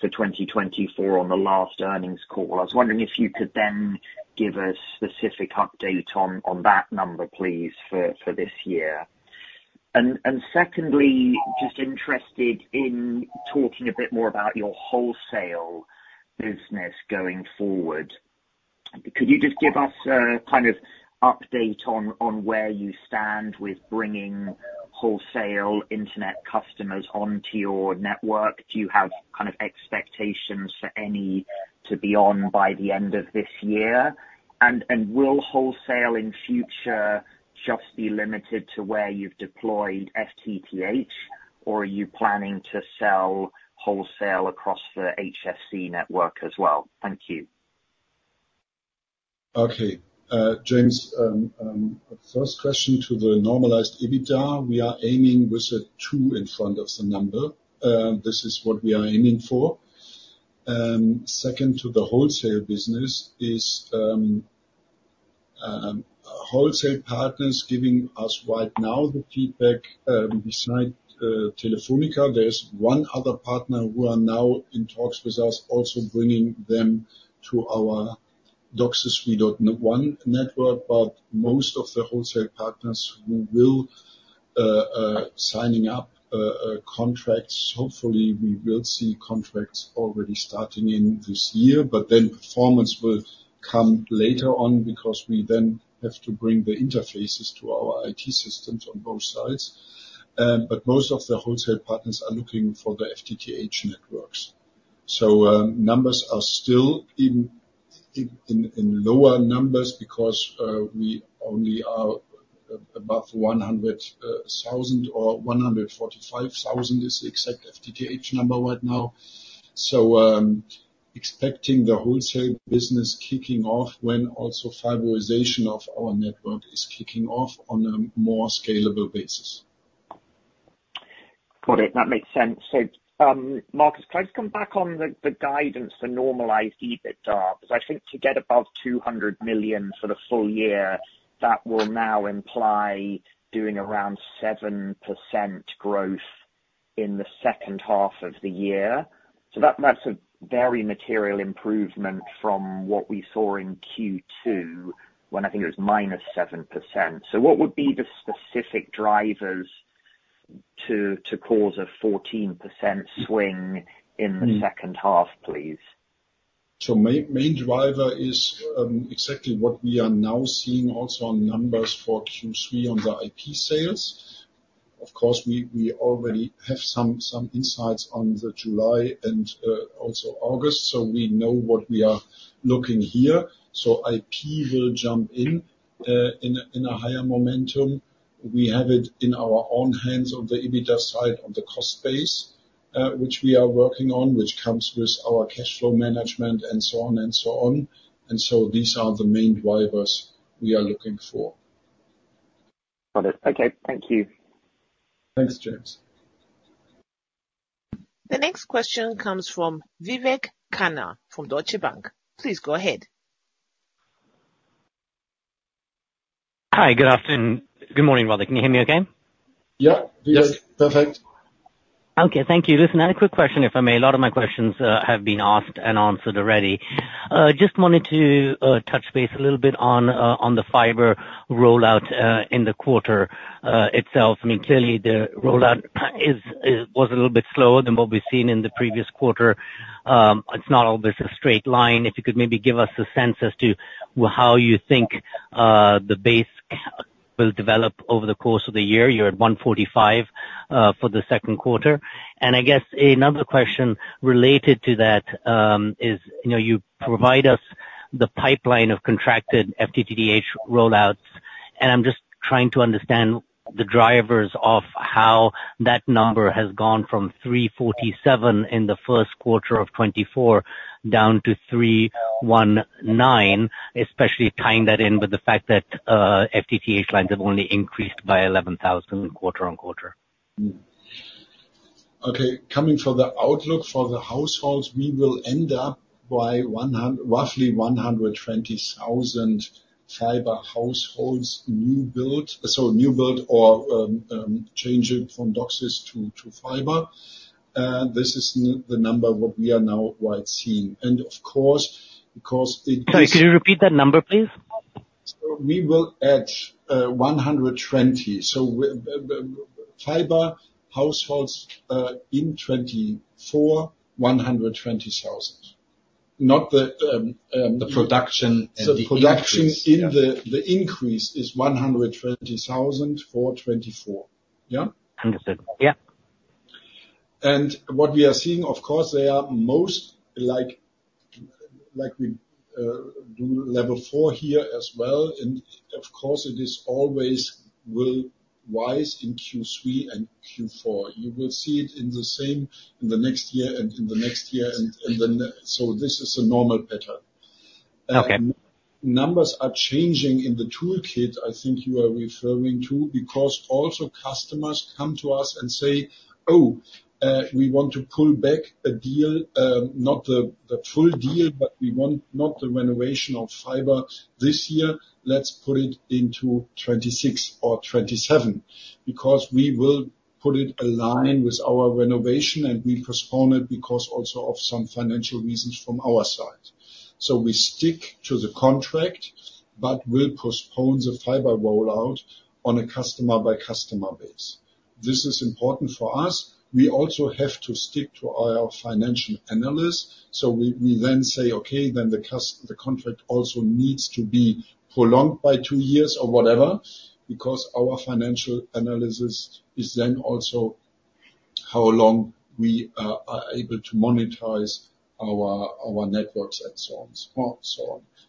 for 2024 on the last earnings call. I was wondering if you could then give a specific update on that number, please, for this year? Secondly, just interested in talking a bit more about your wholesale business going forward. Could you just give us a kind of update on where you stand with bringing wholesale internet customers onto your network? Do you have kind of expectations for any to be on by the end of this year? Will wholesale in future just be limited to where you've deployed FTTH, or are you planning to sell wholesale across the HFC network as well? Thank you.
Okay. James, first question to the normalized EBITDA. We are aiming with a two in front of the number. This is what we are aiming for. Second to the wholesale business is, wholesale partners giving us right now the feedback, besides Telefónica. There's one other partner who are now in talks with us, also bringing them to our DOCSIS 3.1 network. But most of the wholesale partners who will signing up a contract, hopefully we will see contracts already starting in this year, but then performance will come later on, because we then have to bring the interfaces to our IT systems on both sides. But most of the wholesale partners are looking for the FTTH networks. Numbers are still in lower numbers because we only are above 100,000or 145,000, is the exact FTTH number right now. Expecting the wholesale business kicking off when also fiberization of our network is kicking off on a more scalable basis.
Got it. That makes sense, so Markus, can I just come back on the guidance, the normalized EBITDA? Because I think to get above 200 million for the full year, that will now imply doing around 7% growth in the second half of the year. So that's a very material improvement from what we saw in Q2, when I think it was -7%. So what would be the specific drivers to cause a 14% swing in the second half, please?
So main driver is exactly what we are now seeing also on numbers for Q3 on the IP sales. Of course, we already have some insights on the July and also August, so we know what we are looking here. So IP will jump in in a higher momentum. We have it in our own hands on the EBITDA side, on the cost base, which we are working on, which comes with our cash flow management and so on and so on. And so these are the main drivers we are looking for.
Got it. Okay, thank you.
Thanks, James.
The next question comes from Vivek Khanna from Deutsche Bank. Please go ahead.
Hi, good afternoon. Good morning, rather. Can you hear me okay?
Yeah. Yes, perfect.
Okay, thank you. Listen, I had a quick question, if I may. A lot of my questions have been asked and answered already. Just wanted to touch base a little bit on the fiber rollout in the quarter itself. I mean, clearly the rollout is was a little bit slower than what we've seen in the previous quarter. It's not always a straight line. If you could maybe give us a sense as to how you think the base will develop over the course of the year. You're at 145 for the second quarter. I guess another question related to that is, you know, you provide us the pipeline of contracted FTTH rollouts, and I'm just trying to understand the drivers of how that number has gone from 347 in the first quarter of 2024, down to 319, especially tying that in with the fact that FTTH lines have only increased by 11,000 quarter-on-quarter.
Okay. Coming from the outlook for the households, we will end up by roughly 120,000 fiber households new build. So new build or changing from DOCSIS to fiber. This is the number what we are now widely seeing. And of course, because it-
Sorry, could you repeat that number, please?
We will add 120. The fiber households in 2024, 120,000, not the
The production-
The production in the increase is 120,000 for 2024. Yeah?
Understood. Yeah.
What we are seeing, of course, they are most like, like we do Level 4 here as well. Of course, it is always will rise in Q3 and Q4. You will see it in the same, in the next year and in the next year, and, and so this is a normal pattern.
Okay.
Numbers are changing in the toolkit, I think you are referring to, because also customers come to us and say, "Oh, we want to pull back a deal, not the full deal, but we want not the renovation of fiber this year. Let's put it into 2026 or 2027," because we will put it in line with our renovation, and we postpone it because also of some financial reasons from our side. So we stick to the contract, but we'll postpone the fiber rollout on a customer-by-customer basis. This is important for us. We also have to stick to our financial analysis, so we then say: Okay, then the contract also needs to be prolonged by two years or whatever, because our financial analysis is then also how long we are able to monetize our networks and so on.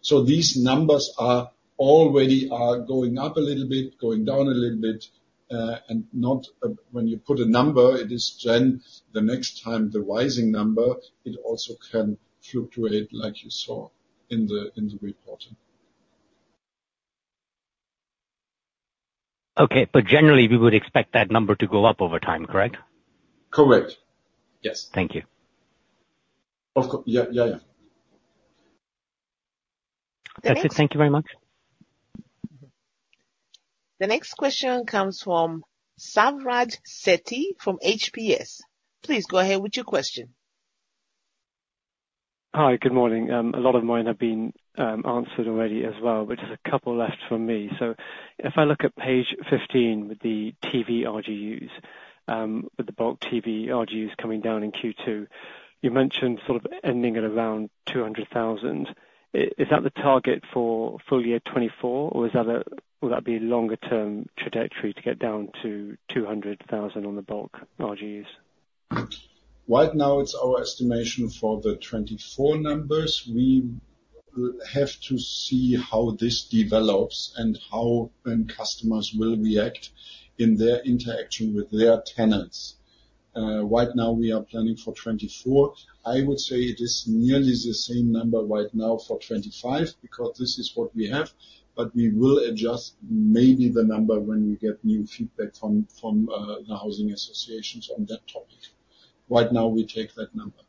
So these numbers are already going up a little bit, going down a little bit, and not, when you put a number, it is then the next time the rising number. It also can fluctuate like you saw in the reporting.
Okay, but generally, we would expect that number to go up over time, correct?
Correct. Yes.
Thank you.
Of course. Yeah, yeah, yeah.
The next-
That's it. Thank you very much.
The next question comes from Savraj Sethi from HPS. Please go ahead with your question.
Hi, good morning. A lot of mine have been answered already as well, but there's a couple left from me. So if I look at page 15 with the TV RGUs, with the bulk TV RGUs coming down in Q2, you mentioned sort of ending at around 200,000 Is that the target for full year 2024, or will that be a longer term trajectory to get down to 200,000 on the bulk RGUs?
Right now, it's our estimation for the 2024 numbers. We have to see how this develops and how then customers will react in their interaction with their tenants. Right now we are planning for 2024. I would say it is nearly the same number right now for 2025, because this is what we have. But we will adjust maybe the number when we get new feedback from the housing associations on that topic. Right now, we take that number.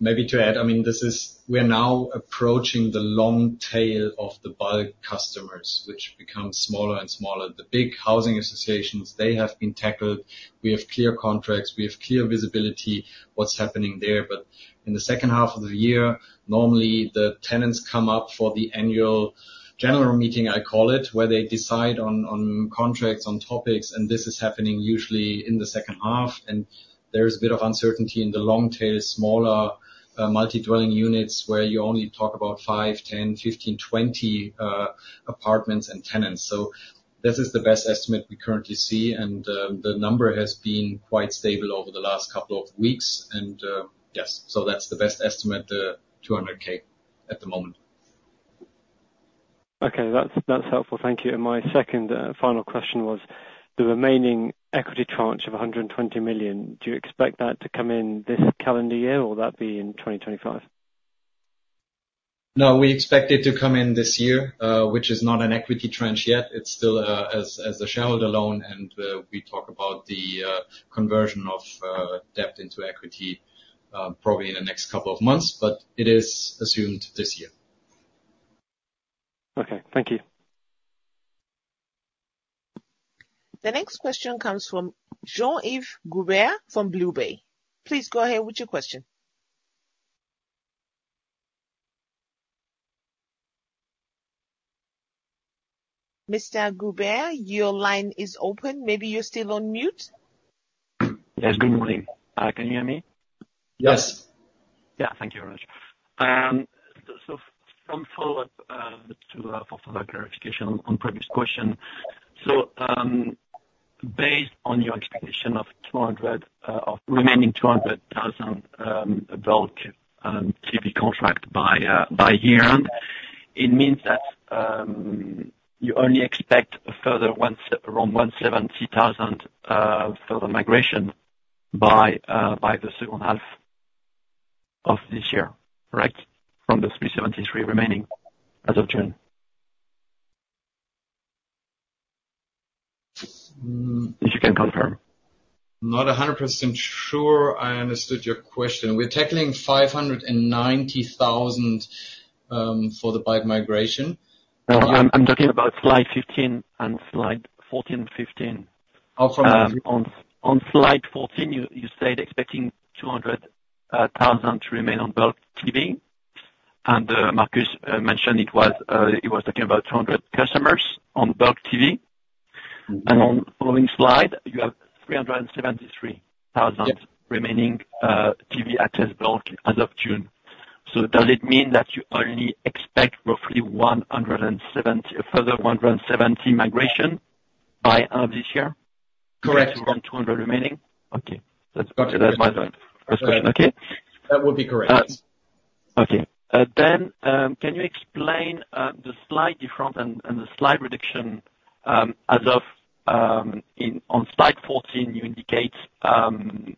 Maybe to add, I mean, this is. We are now approaching the long tail of the bulk customers, which becomes smaller and smaller. The big housing associations, they have been tackled. We have clear contracts, we have clear visibility what's happening there. But in the second half of the year, normally the tenants come up for the annual general meeting, I call it, where they decide on contracts, on topics, and this is happening usually in the second half. And there is a bit of uncertainty in the long tail, smaller multi-dwelling units, where you only talk about 5, 10, 15, 20 apartments and tenants. So this is the best estimate we currently see, and the number has been quite stable over the last couple of weeks, and yes. So that's the best estimate, 200,000 at the moment.
Okay, that's, that's helpful. Thank you. And my second, final question was the remaining equity tranche of 120 million, do you expect that to come in this calendar year, or will that be in 2025?
No, we expect it to come in this year, which is not an equity tranche yet. It's still, as a shareholder loan, and we talk about the conversion of debt into equity, probably in the next couple of months, but it is assumed this year.
Okay, thank you.
The next question comes from Jean-Yves Gourbeyre from BlueBay. Please go ahead with your question. Mr. Gourbeyre, your line is open. Maybe you're still on mute?
Yes, good morning. Can you hear me?
Yes.
Yeah, thank you very much. So some follow-up to for further clarification on previous question. So, based on your expectation of of remaining 200,000 bulk TV contract by year-end, it means that you only expect a further around 170 further migration by the second half of this year, correct? From the 373 remaining as of June. Mm, if you can confirm.
Not 100% sure I understood your question. We're tackling 590,000 for the bulk migration.
No, I'm talking about slide 15 and slide 14 and 15.
Oh, sorry.
On slide 14, you said expecting 200,000 to remain on bulk TV. Markus mentioned he was talking about 200 customers on bulk TV.
Mm-hmm.
On the following slide, you have 373,000-
Yes
Remaining, TV at this bulk as of June. Does it mean that you only expect roughly 170, a further 170 migration by this year?
Correct.
Around 200 remaining? Okay. That's, that's my point. Okay.
That would be correct.
Okay. Can you explain the slight difference and the slight reduction, as of, in, on slide 14, you indicate, and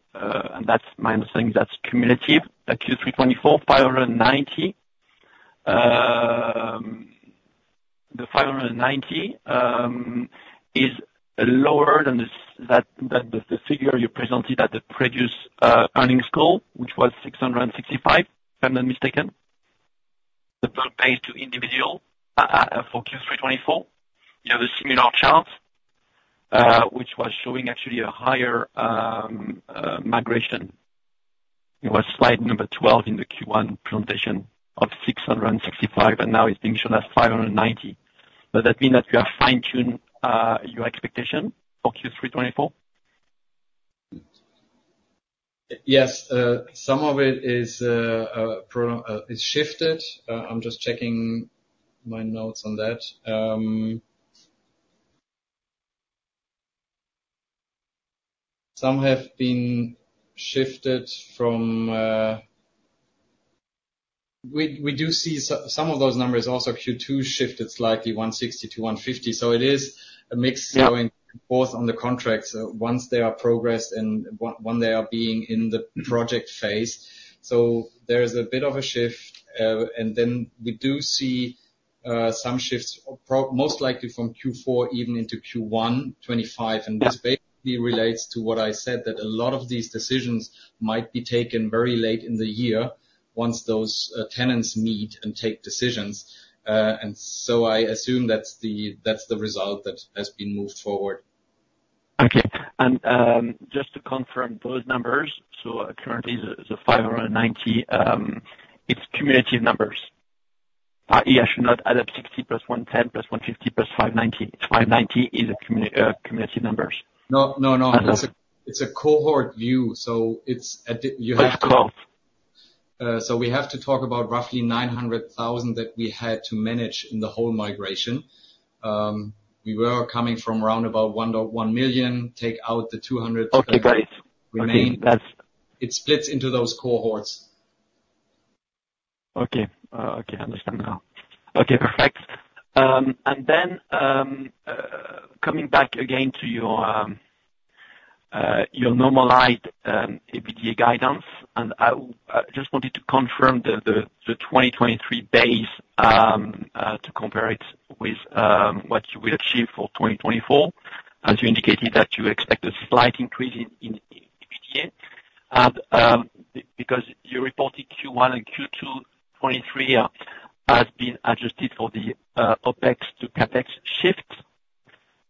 that's my understanding, that's cumulative. That Q3 2024, 590. The 590 is lower than the, that, than the figure you presented at the previous earnings call, which was 665, if I'm not mistaken? The per page to individual, for Q3 2024, you have a similar chart, which was showing actually a higher migration. It was slide number 12 in the Q1 presentation of 665, and now it's being shown as 590. Does that mean that you are fine-tuning your expectation for Q3 2024?
Yes. Some of it is shifted. I'm just checking my notes on that. Some have been shifted from... We do see some of those numbers, also Q2 shifted slightly, 160 to 150, so it is a mix-
Yeah
Going both on the contracts, once they are progressed and when they are being in the project phase. There is a bit of a shift, and then we do see some shifts most likely from Q4 even into Q1 2025. This basically relates to what I said, that a lot of these decisions might be taken very late in the year, once those tenants meet and take decisions, and so I assume that's the result that has been moved forward.
Okay. And just to confirm those numbers: so currently, the 590, it's cumulative numbers? Yeah, I should not add up 60+110+150+590. 590 is a cumulative numbers.
No, no, no.
Uh-huh.
It's a cohort view, so it's at the-
Okay.
So we have to talk about roughly 900,000 that we had to manage in the whole migration. We were coming from around about 1.1 million. Take out the 200
Okay, got it.
Remain.
Okay, that's-
It splits into those cohorts.
Okay. Okay, I understand now. Okay, perfect. And then, coming back again to your normalized EBITDA guidance, and I just wanted to confirm the 2023 base to compare it with what you will achieve for 2024, as you indicated that you expect a slight increase in EBITDA. Because you reported Q1 and Q2 2023 has been adjusted for the OpEx to CapEx shift.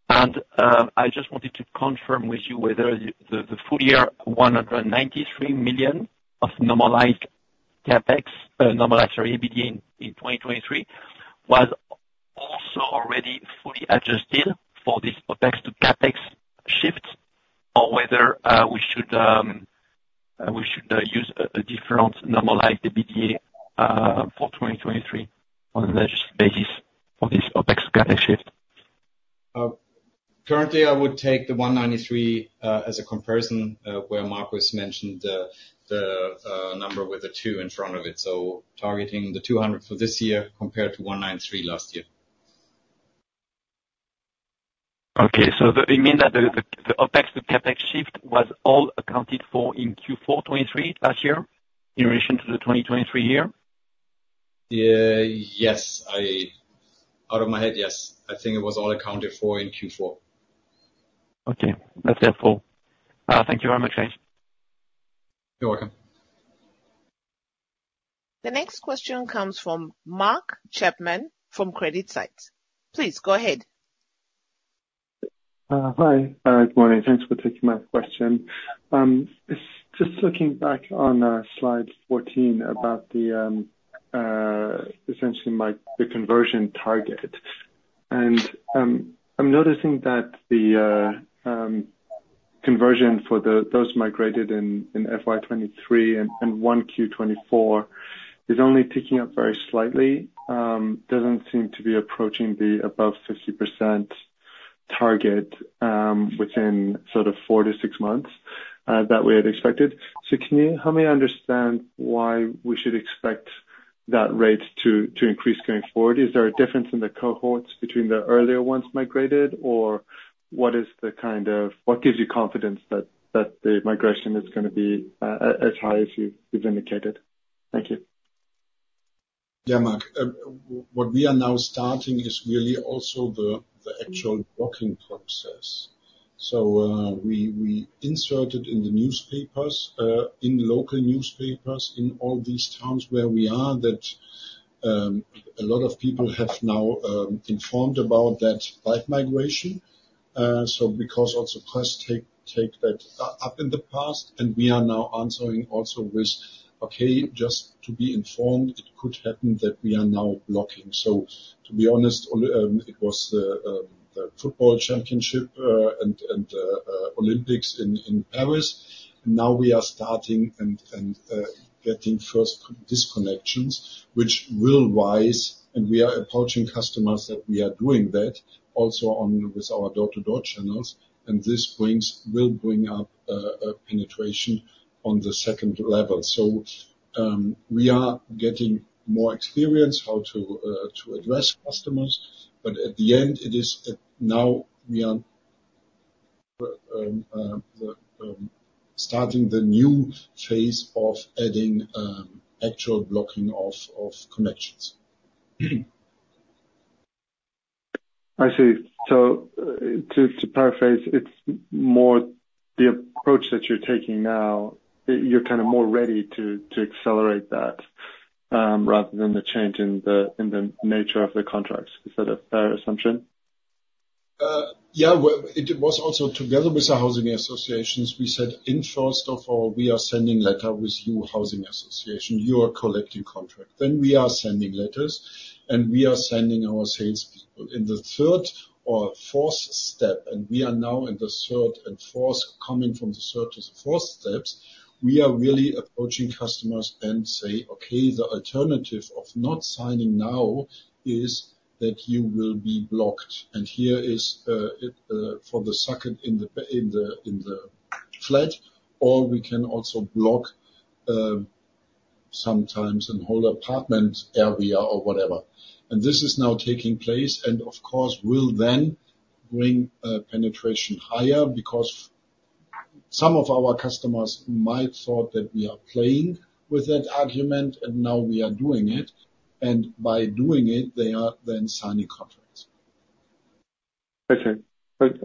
And I just wanted to confirm with you whether the full year 193 million of normalized CapEx, normalized EBITDA in 2023 was also already fully adjusted for this OpEx to CapEx shift, or whether we should use a different normalized EBITDA for 2023 on an adjusted basis for this OpEx-CapEx shift.
Currently, I would take the 193 as a comparison, where Markus mentioned the number with the two in front of it, so targeting the 200 for this year compared to 193 last year.
Okay, so do you mean that the OpEx to CapEx shift was all accounted for in Q4 2023, last year, in relation to the 2023 year?
Yes. Out of my head, yes. I think it was all accounted for in Q4.
Okay. That's helpful. Thank you very much, guys.
You're welcome.
The next question comes from Mark Chapman, from CreditSights. Please, go ahead.
Hi. Good morning. Thanks for taking my question. Just looking back on slide 14 about the essentially, like, the conversion target, and I'm noticing that the conversion for those migrated in FY 2023 and 1Q24 is only ticking up very slightly. Doesn't seem to be approaching the above 50% target within sort of 4-6 months that we had expected. So can you help me understand why we should expect that rate to increase going forward? Is there a difference in the cohorts between the earlier ones migrated, or what gives you confidence that the migration is gonna be as high as you've indicated? Thank you.
Yeah, Markus. What we are now starting is really also the actual blocking process. So, we inserted in the newspapers in local newspapers in all these towns where we are, that a lot of people have now informed about that bulk migration. So because also costs take that up in the past, and we are now answering also with, "Okay, just to be informed, it could happen that we are now blocking." So to be honest, all it was the football championship and Olympics in Paris. Now we are starting and getting first disconnections, which will rise, and we are approaching customers that we are doing that also on with our door-to-door channels, and this will bring up a penetration on the second level. So, we are getting more experience how to address customers, but at the end, it is at now we are starting the new phase of adding actual blocking of connections.
I see. So to paraphrase, it's more the approach that you're taking now, you're kind of more ready to accelerate that, rather than the change in the nature of the contracts. Is that a fair assumption?
Yeah. Well, it was also together with the housing associations. We said, first of all, we are sending letter with you, housing association, you are collecting contract. Then we are sending letters, and we are sending our sales people. In the 3rf or 4th step, and we are now in the 3rd and 4th, coming from the 3rd to the 4th steps, we are really approaching customers and say, "Okay, the alternative of not signing now is that you will be blocked. And here is, for the second in the, in the, in the flat, or we can also block, sometimes a whole apartment area or whatever." And this is now taking place, and of course, will then bring penetration higher because some of our customers might thought that we are playing with that argument, and now we are doing it. By doing it, they are then signing contracts.
Okay. Okay,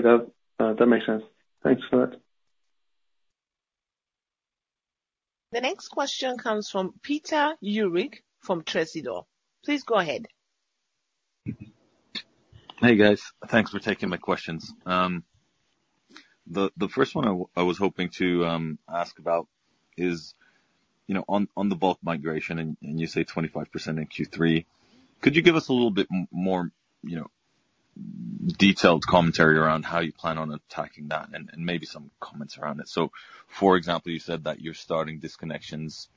that, that makes sense. Thanks for that.
The next question comes from Peter Jurik from Tresidor. Please go ahead.
Hey, guys. Thanks for taking my questions. The first one I was hoping to ask about is, you know, on the bulk migration, and you say 25% in Q3. Could you give us a little bit more, you know, detailed commentary around how you plan on attacking that, and maybe some comments around it? So, for example, you said that you're starting disconnections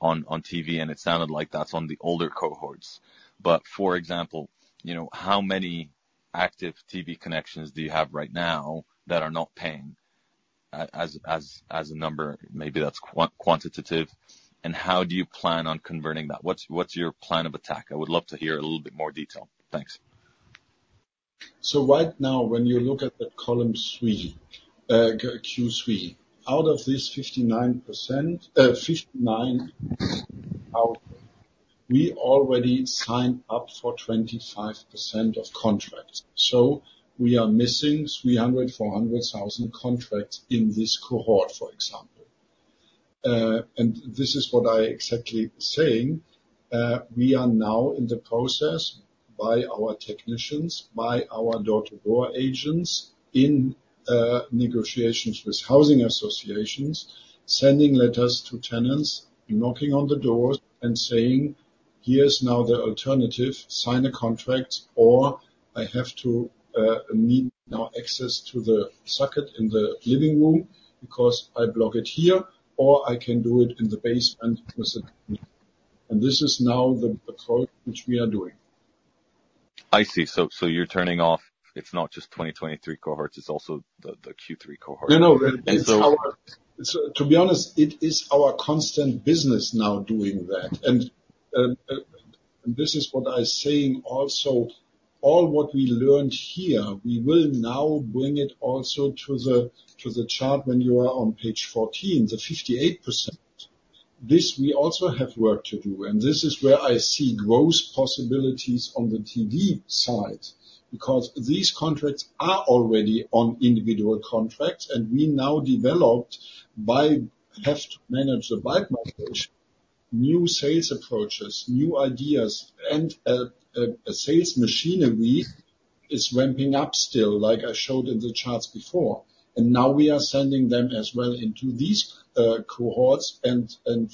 on TV, and it sounded like that's on the older cohorts. But for example, you know, how many active TV connections do you have right now that are not paying, as a number? Maybe that's quantitative, and how do you plan on converting that? What's your plan of attack? I would love to hear a little bit more detail. Thanks.
So right now, when you look at the column three, Q3, out of this 59%, we already signed up for 25% of contracts. So we are missing 300,000, 400,000 contracts in this cohort, for example. And this is what I exactly saying, we are now in the process, by our technicians, by our door-to-door agents, in, negotiations with housing associations, sending letters to tenants, knocking on the doors and saying, "Here's now the alternative: sign a contract, or I have to, need now access to the socket in the living room because I block it here, or I can do it in the basement with the..." And this is now the approach which we are doing.
I see. So you're turning off. It's not just 2023 cohorts, it's also the Q3 cohort.
You know, it's our-
And so-
To be honest, it is our constant business now doing that. And this is what I'm saying also, all what we learned here, we will now bring it also to the chart when you are on page 14, the 58%. This we also have work to do, and this is where I see growth possibilities on the TV side. Because these contracts are already on individual contracts, and we now have to manage the bulk migration, new sales approaches, new ideas, and a sales machinery is ramping up still, like I showed in the charts before. And now we are sending them as well into these cohorts.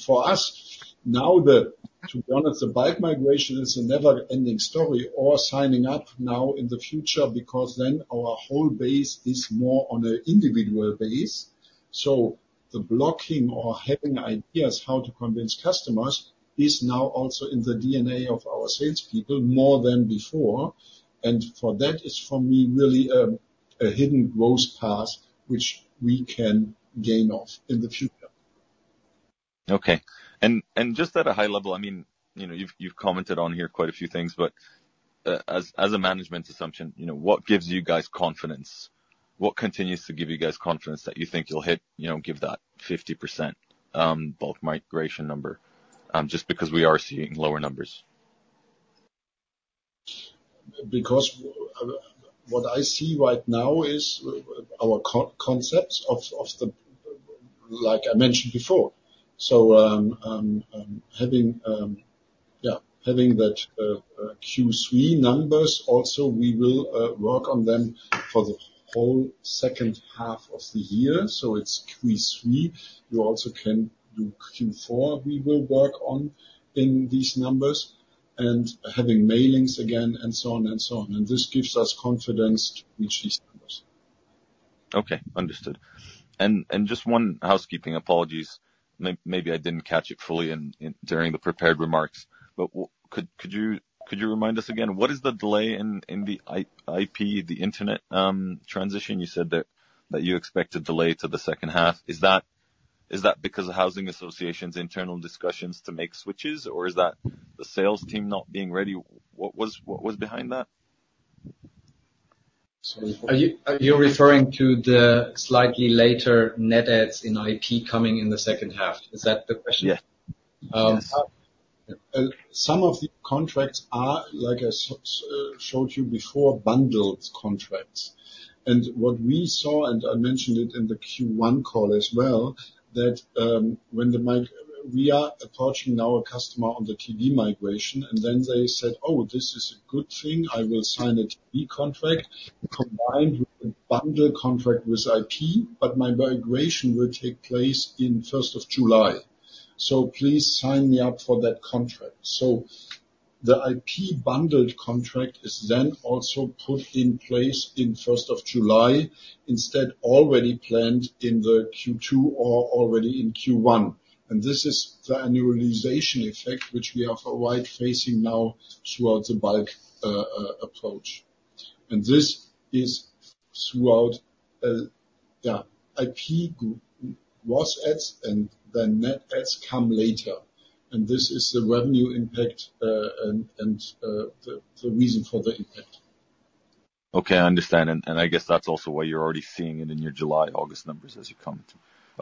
For us, now, one of the bulk migrations is a never-ending story of signing up now in the future, because then our whole base is more on an individual basis. The blocking or having ideas how to convince customers is now also in the DNA of our salespeople, more than before. For that is for me, really, a hidden growth path, which we can tap into in the future.
Okay. And just at a high level, I mean, you know, you've commented on here quite a few things, but, as a management assumption, you know, what gives you guys confidence? What continues to give you guys confidence that you think you'll hit, you know, give that 50% bulk migration number? Just because we are seeing lower numbers.
Because what I see right now is our concepts of the. Like I mentioned before. So, having that Q3 numbers, also, we will work on them for the whole second half of the year. So it's Q3. You also can do Q4. We will work on in these numbers, and having mailings again, and so on and so on, and this gives us confidence to reach these numbers.
Okay, understood. And just one housekeeping, apologies. Maybe I didn't catch it fully during the prepared remarks, but could you remind us again, what is the delay in the IP, the Internet transition? You said that you expect a delay to the second half. Is that because the housing association's internal discussions to make switches, or is that the sales team not being ready? What was behind that?
Are you referring to the slightly later net adds in IP coming in the second half? Is that the question?
Yes. Yes.
Some of the contracts are, like I showed you before, bundled contracts. And what we saw, and I mentioned it in the Q1 call as well, that, when we are approaching now a customer on the TV migration, and then they said: "Oh, this is a good thing. I will sign a TV contract combined with a bundle contract with IP, but my migration will take place in first of July. So please sign me up for that contract." So the IP bundled contract is then also put in place in first of July, instead, already planned in the Q2 or already in Q1. And this is the annualization effect, which we are widely facing now throughout the bulk approach. And this is throughout, yeah, IP gross adds, and the net adds come later. And this is the revenue impact, and the reason for the impact.
Okay, I understand. And I guess that's also why you're already seeing it in your July, August numbers as you come to.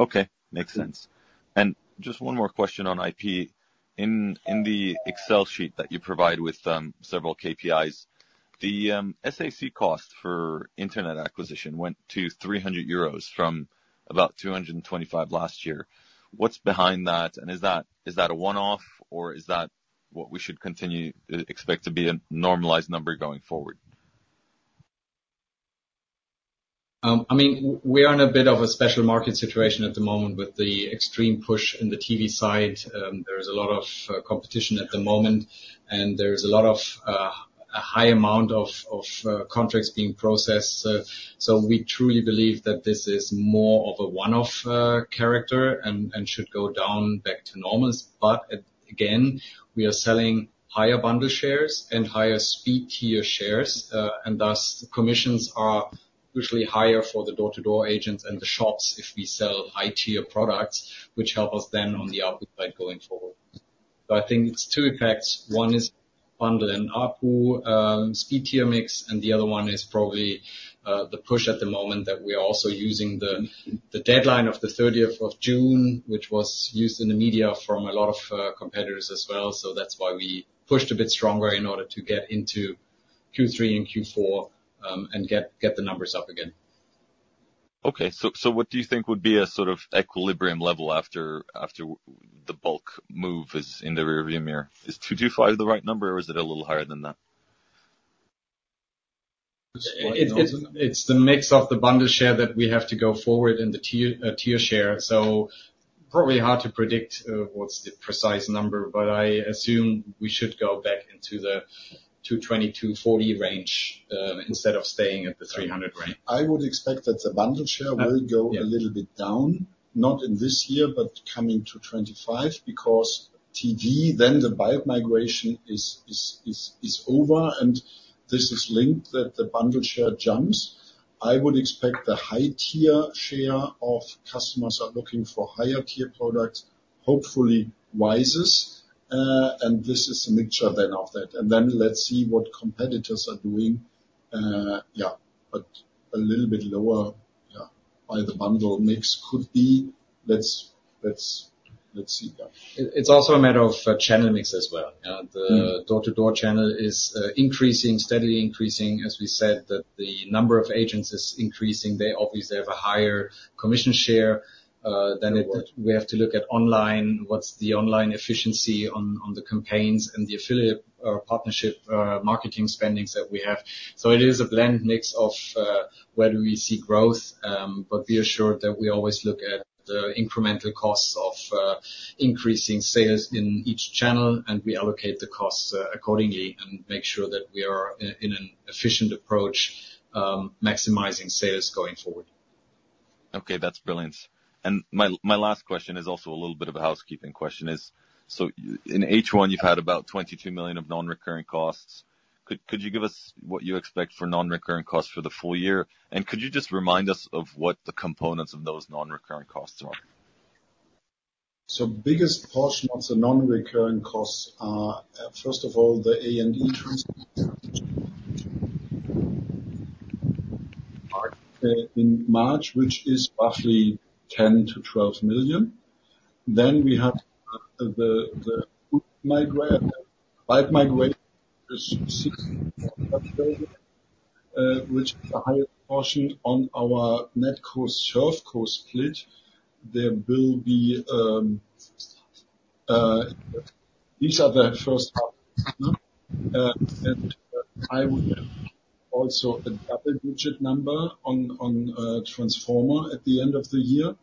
Okay, makes sense. And just one more question on IP. In the Excel sheet that you provide with several KPIs, the SAC cost for internet acquisition went to 300 euros from about 225 last year. What's behind that, and is that a one-off, or is that what we should continue to expect to be a normalized number going forward?
I mean, we are in a bit of a special market situation at the moment with the extreme push in the TV side. There is a lot of competition at the moment, and there's a lot of a high amount of contracts being processed. So we truly believe that this is more of a one-off character and should go down back to normal. But again, we are selling higher bundle shares and higher speed tier shares, and thus, commissions are usually higher for the door-to-door agents and the shops if we sell high-tier products, which help us then on the output by going forward. But I think it's two effects. One is bundle and ARPU, speed tier mix, and the other one is probably the push at the moment that we are also using the deadline of the 30th of June, which was used in the media from a lot of competitors as well. So that's why we pushed a bit stronger in order to get into Q3 and Q4, and get the numbers up again.
Okay, so what do you think would be a sort of equilibrium level after the bulk move is in the rearview mirror? Is 225 the right number, or is it a little higher than that?
It's the mix of the bundle share that we have to go forward and the tier, tier share. So probably hard to predict what's the precise number, but I assume we should go back into the 220-240 range, instead of staying at the 300 range.
I would expect that the bundle share-
Yeah
It will go a little bit down, not in this year, but coming to 2025, because TV, then the bulk migration is over, and this is linked that the bundle share jumps. I would expect the high tier share of customers are looking for higher tier products, hopefully rises, and this is a mixture then of that. And then let's see what competitors are doing. Yeah, but a little bit lower, yeah, by the bundle mix could be. Let's see, yeah.
It's also a matter of channel mix as well and the door-to-door channel is increasing, steadily increasing. As we said, that the number of agents is increasing. They obviously have a higher commission share than it- We have to look at online, what's the online efficiency on the campaigns and the affiliate or partnership marketing spending that we have. So it is a blend mix of where do we see growth, but be assured that we always look at the incremental costs of increasing sales in each channel, and we allocate the costs accordingly, and make sure that we are in an efficient approach, maximizing sales going forward.
Okay, that's brilliant. And my last question is also a little bit of a housekeeping question: So in H1, you've had about 22 million of non-recurring costs. Could you give us what you expect for non-recurring costs for the full year? And could you just remind us of what the components of those non-recurring costs are?
So biggest portion of the non-recurring costs are, first of all, the A&E transaction in March, which is roughly 10 million-EUR12 million. Then we have the bulk migration, which is a higher portion on our net cost, self-cost split. These are the first part. And I would also a double-digit number on transformation at the end of the year.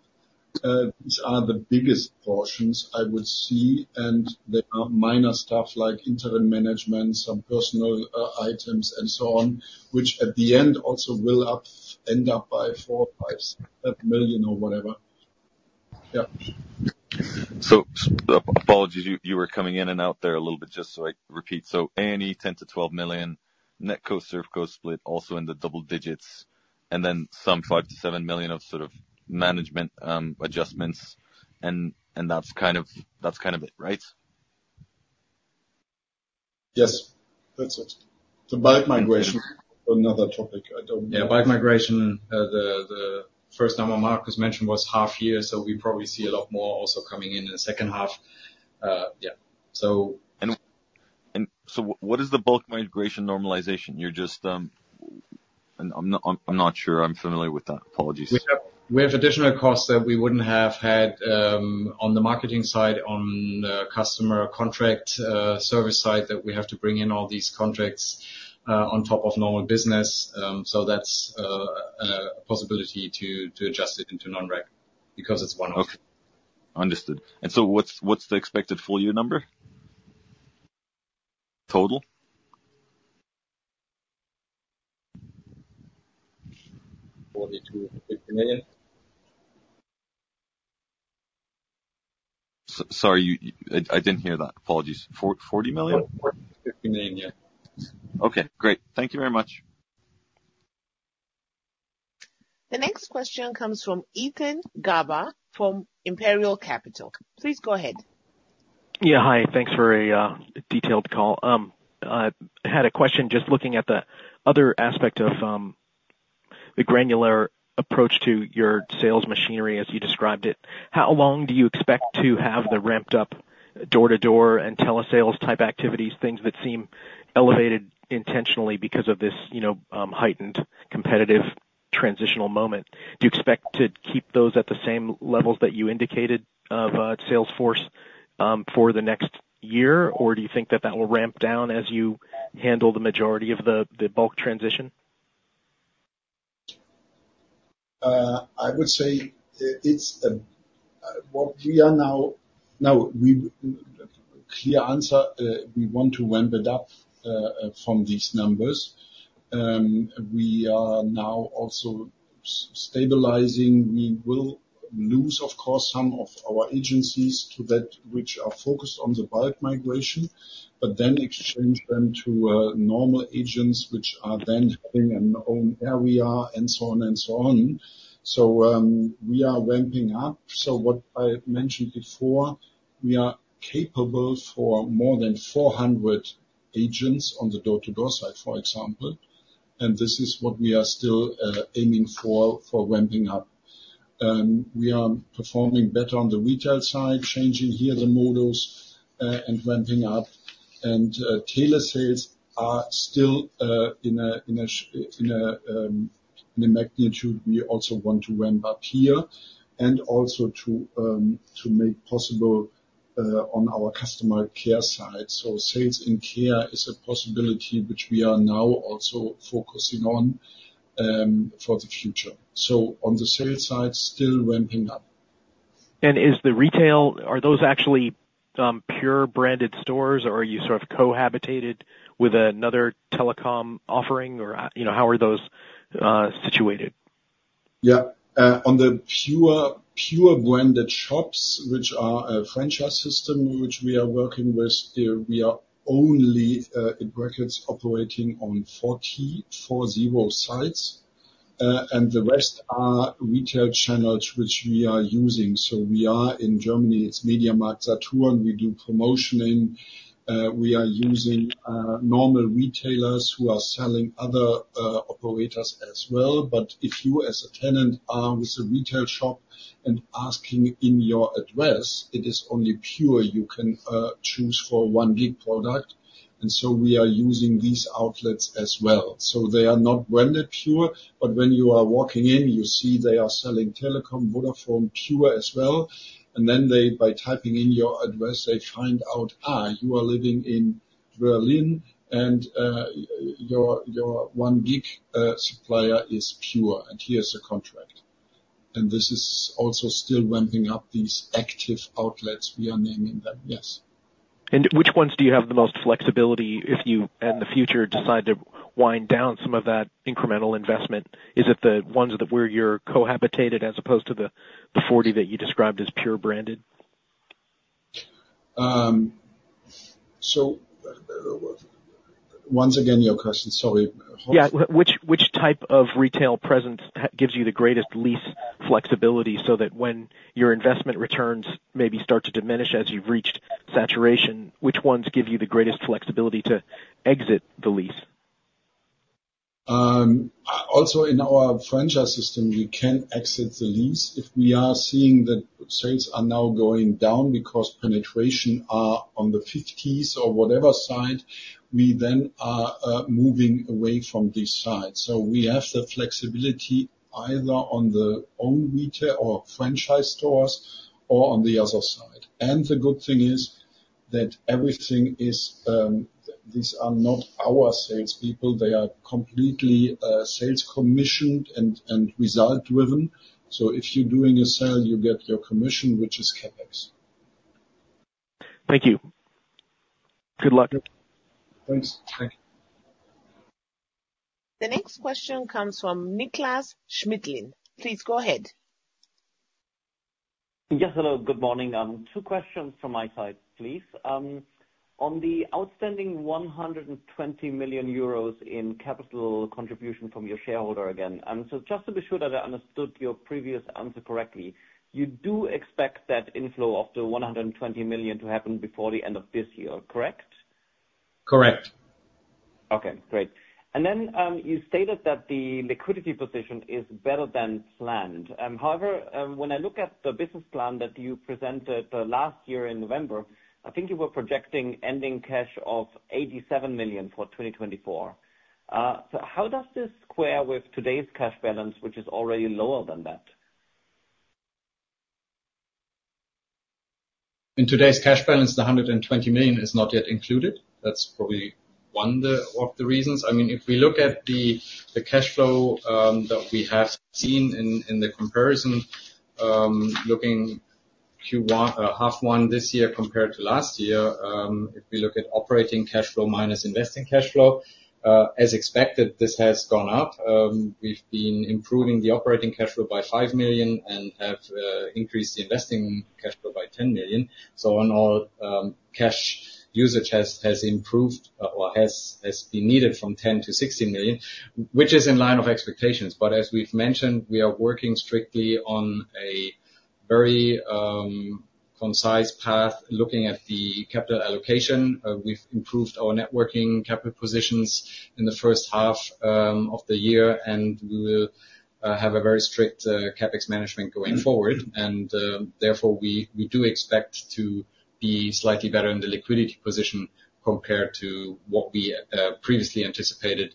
These are the biggest portions I would see, and there are minor stuff like interim management, some personal items, and so on, which at the end also will end up by 4 million-5 million or whatever. Yeah.
So apologies, you were coming in and out there a little bit, just so I repeat. A&E, 10 million-12 million, NetCo-ServCo split, also in the double digits, and then some 5 million-7 million of sort of management adjustments. And that's kind of it, right?...
Yes, that's it. The bulk migration, another topic, I don't-
Yeah, bulk migration, the first number Markus mentioned was half year, so we probably see a lot more also coming in, in the second half. Yeah, so-
What is the bulk migration normalization? You're just... I'm not sure I'm familiar with that. Apologies.
We have additional costs that we wouldn't have had on the marketing side, on the customer contract service side, that we have to bring in all these contracts on top of normal business, so that's a possibility to adjust it into non-rec, because it's one off.
Okay. Understood. And so what's, what's the expected full year number? Total?
Sorry, you, I didn't hear that. Apologies. 40 million?
40 million-50 million, yeah.
Okay, great. Thank you very much.
The next question comes from Ethan Garber, from Imperial Capital. Please go ahead.
Yeah, hi. Thanks for a detailed call. I had a question just looking at the other aspect of the granular approach to your sales machinery as you described it. How long do you expect to have the ramped-up door-to-door and telesales-type activities, things that seem elevated intentionally because of this, you know, heightened competitive transitional moment? Do you expect to keep those at the same levels that you indicated, of sales force, for the next year? Or do you think that that will ramp down as you handle the majority of the bulk transition?
I would say, it's what we are now. Clear answer, we want to ramp it up from these numbers. We are now also stabilizing. We will lose, of course, some of our agencies to that, which are focused on the bulk migration, but then exchange them to normal agents, which are then in an own area, and so on, and so on. So, we are ramping up. So what I mentioned before, we are capable for more than 400 agents on the door-to-door side, for example, and this is what we are still aiming for, for ramping up. We are performing better on the retail side, changing here the models, and ramping up. Telesales are still in a magnitude we also want to ramp up here, and also to make possible on our customer care side. So sales and care is a possibility which we are now also focusing on for the future. So on the sales side, still ramping up.
And is the retail, are those actually, PŸUR branded stores, or are you sort of cohabitated with another Telekom offering? Or, you know, how are those situated?
Yeah. On the PŸUR branded shops, which are a franchise system which we are working with, we are only, in brackets, operating on 440 sites, and the rest are retail channels which we are using. So we are in Germany. It's MediaMarktSaturn. We do promotions. We are using normal retailers who are selling other operators as well. But if you, as a tenant, are with a retail shop and asking in your address, it is only PŸUR. You can choose for 1&1 gig product, and so we are using these outlets as well. So they are not branded PŸUR, but when you are walking in, you see they are selling Telekom, Vodafone, PŸUR as well. And then they, by typing in your address, they find out you are living in Berlin, and your 1&1 gig supplier is PŸUR, and here's a contract. And this is also still ramping up these active outlets we are naming them, yes.
Which ones do you have the most flexibility if you, in the future, decide to wind down some of that incremental investment? Is it the ones that, where you're co-located as opposed to the 40 that you described as PŸUR branded?
So, once again, your question. Sorry.
Yeah. Which type of retail presence gives you the greatest lease flexibility so that when your investment returns maybe start to diminish as you've reached saturation, which ones give you the greatest flexibility to exit the lease?
Also in our franchise system, we can exit the lease. If we are seeing that sales are now going down because penetration are on the 50s or whatever side, we then are moving away from this side. So we have the flexibility either on the own retail or franchise stores or on the other side. And the good thing is that everything is, these are not our salespeople. They are completely sales commissioned and result driven. So if you're doing a sale, you get your commission, which is CapEx.
Thank you. Good luck.
Thanks. Thank you.
The next question comes from Nicolas Schmidlin. Please go ahead. Yes, hello, good morning. Two questions from my side, please. On the outstanding 120 million euros in capital contribution from your shareholder again, and so just to be sure that I understood your previous answer correctly, you do expect that inflow of the 120 million to happen before the end of this year, correct?
Correct. Okay, great. And then, you stated that the liquidity position is better than planned. However, when I look at the business plan that you presented last year in November, I think you were projecting ending cash of 87 million for 2024. So how does this square with today's cash balance, which is already lower than that?
In today's cash balance, the 120 million is not yet included. That's probably one of the reasons. I mean, if we look at the cash flow that we have seen in the comparison, looking at Q1, H1 this year compared to last year, if we look at operating cash flow minus investing cash flow, as expected, this has gone up. We've been improving the operating cash flow by 5 million and have increased the investing cash flow by 10 million. So overall, cash usage has improved or has been needed from 10 million to 60 million, which is in line with expectations. But as we've mentioned, we are working strictly on a very concise path, looking at the capital allocation. We've improved our net working capital positions in the first half of the year, and we will have a very strict CapEx management going forward, and therefore, we do expect to be slightly better in the liquidity position compared to what we previously anticipated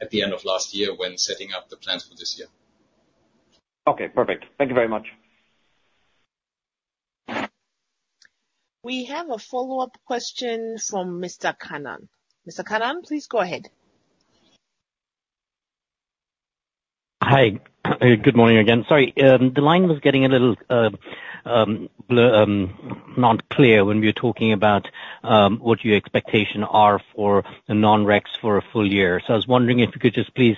at the end of last year, when setting up the plans for this year. Okay, perfect. Thank you very much.
We have a follow-up question from Mr. Khanna. Mr. Khanna, please go ahead.
Hi. Good morning again. Sorry, the line was getting a little, not clear when we were talking about what your expectation are for the non-recs for a full year. So I was wondering if you could just please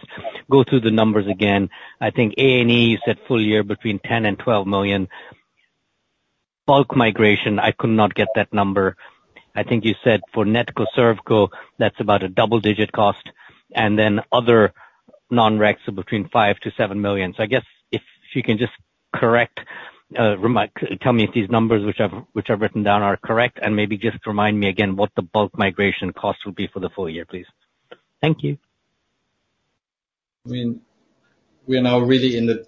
go through the numbers again. I think A&E, you said full year between 10 and 12 million. Bulk migration, I could not get that number. I think you said for NetCo-ServCo, that's about a double digit cost, and then other non-recs are between 5 million and 7 million. So I guess if you can just correct, remind. Tell me if these numbers which I've written down are correct, and maybe just remind me again what the bulk migration cost will be for the full year, please. Thank you.
I mean, we are now really in the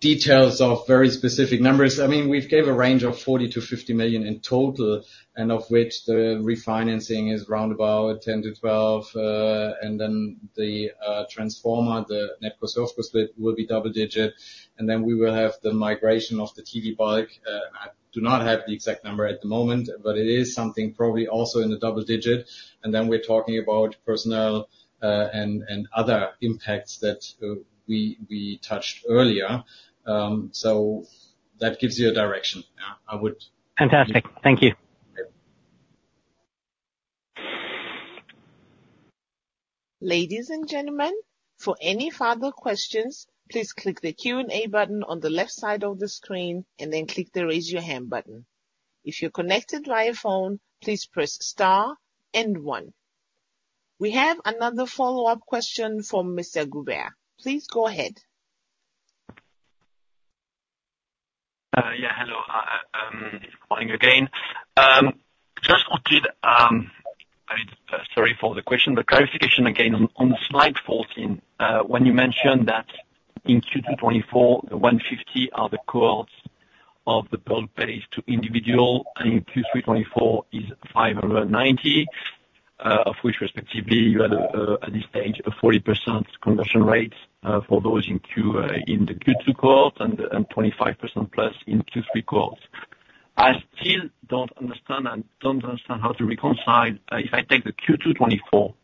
details of very specific numbers. I mean, we've gave a range of 40 million-50 million in total, and of which the refinancing is roundabout 10-12, and then the transaction, the NetCo-ServCo split, will be double digit. And then we will have the migration of the TV bulk. I do not have the exact number at the moment, but it is something probably also in the double digit. And then we're talking about personnel, and other impacts that we touched earlier. So that gives you a direction. Yeah, I would-
Fantastic. Thank you.
Yep.
Ladies and gentlemen, for any further questions, please click the Q&A button on the left side of the screen and then click the Raise Your Hand button. If you're connected via phone, please press star and one. We have another follow-up question from Mr. Guibert. Please go ahead.
Yeah, hello. Morning again. Just wanted, I mean, sorry for the question, but clarification again on slide 14. When you mentioned that in Q2 2024, 150 are the cohorts of the bulk base to individual, and in Q3 2024 is 590, of which respectively you had, at this stage, a 40% conversion rate, for those in the Q2 cohort, and 25%+ in Q3 cohorts. I still don't understand. I don't understand how to reconcile, if I take the Q2 2024,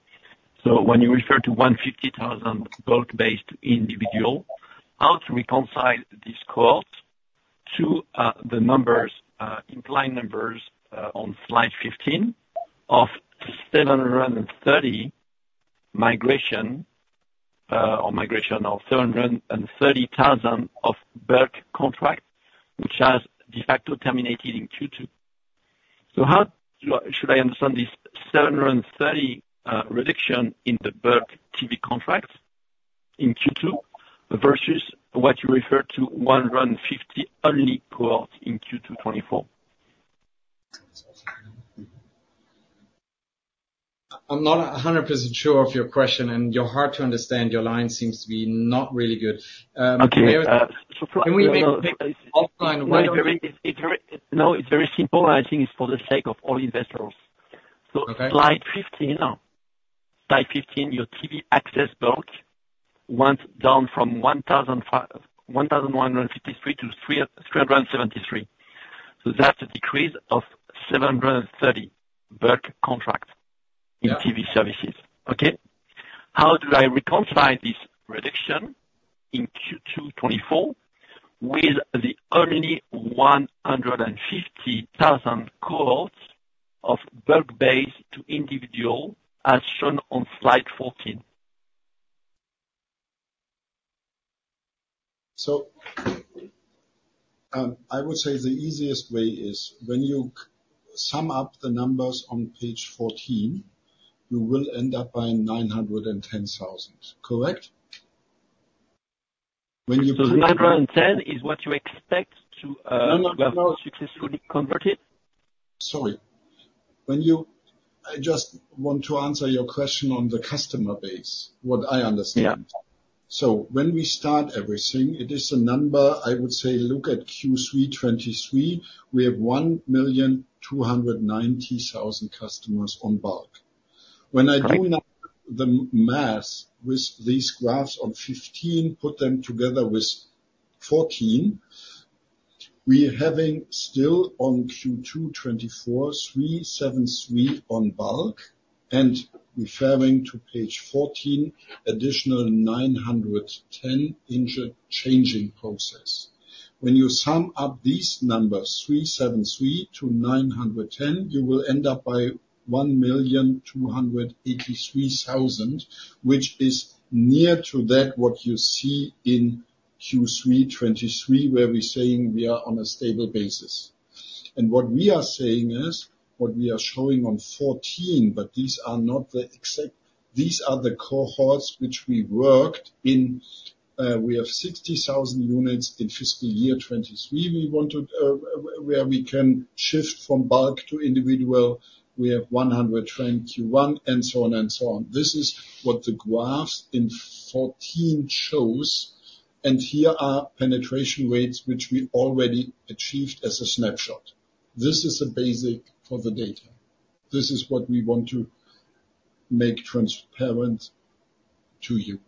so when you refer to 150,000 bulk-based individual, how to reconcile this cohort to, the numbers, implied numbers, on slide 15 of 730 migration, or migration of 730,000 of bulk contract, which has de facto terminated in Q2. So how should I understand this 730, reduction in the bulk TV contracts in Q2 versus what you refer to 150 only cohort in Q2 2024?
I'm not 100% sure of your question, and you're hard to understand. Your line seems to be not really good.
Okay,
Can we make-
No, it's very simple, and I think it's for the sake of all investors.
Okay.
Slide 15, your TV Access bulk went down from 1,153 to 373. That's a decrease of 730 bulk contract-
Yeah
In TV services. Okay? How do I reconcile this reduction in Q2 2024 with the only 150,000 cohorts of bulk base to individual, as shown on slide 14?
I would say the easiest way is when you sum up the numbers on page 14, you will end up buying 910,000. Correct?
So 910 is what you expect to successfully convert it?
Sorry, I just want to answer your question on the customer base, what I understand.
Yeah.
So when we start everything, it is a number. I would say, look at Q3 2023, we have 1,290,000 customers on bulk. When I do now the math with these graphs on 15, put them together with 14, we're having still on Q2 2024, 373 on bulk, and referring to page 14, additional 910 in the changing process. When you sum up these numbers, 373 to 910, you will end up by 1,283,000, which is near to that, what you see in Q3 2023, where we're saying we are on a stable basis. And what we are saying is, what we are showing on 14, but these are not the exact. These are the cohorts which we worked in. We have 60,000 units in fiscal year 2023. We want to where we can shift from bulk to individual. We have 121, and so on, and so on. This is what the graphs in 14 shows, and here are penetration rates, which we already achieved as a snapshot. This is the basis for the data. This is what we want to make transparent to you.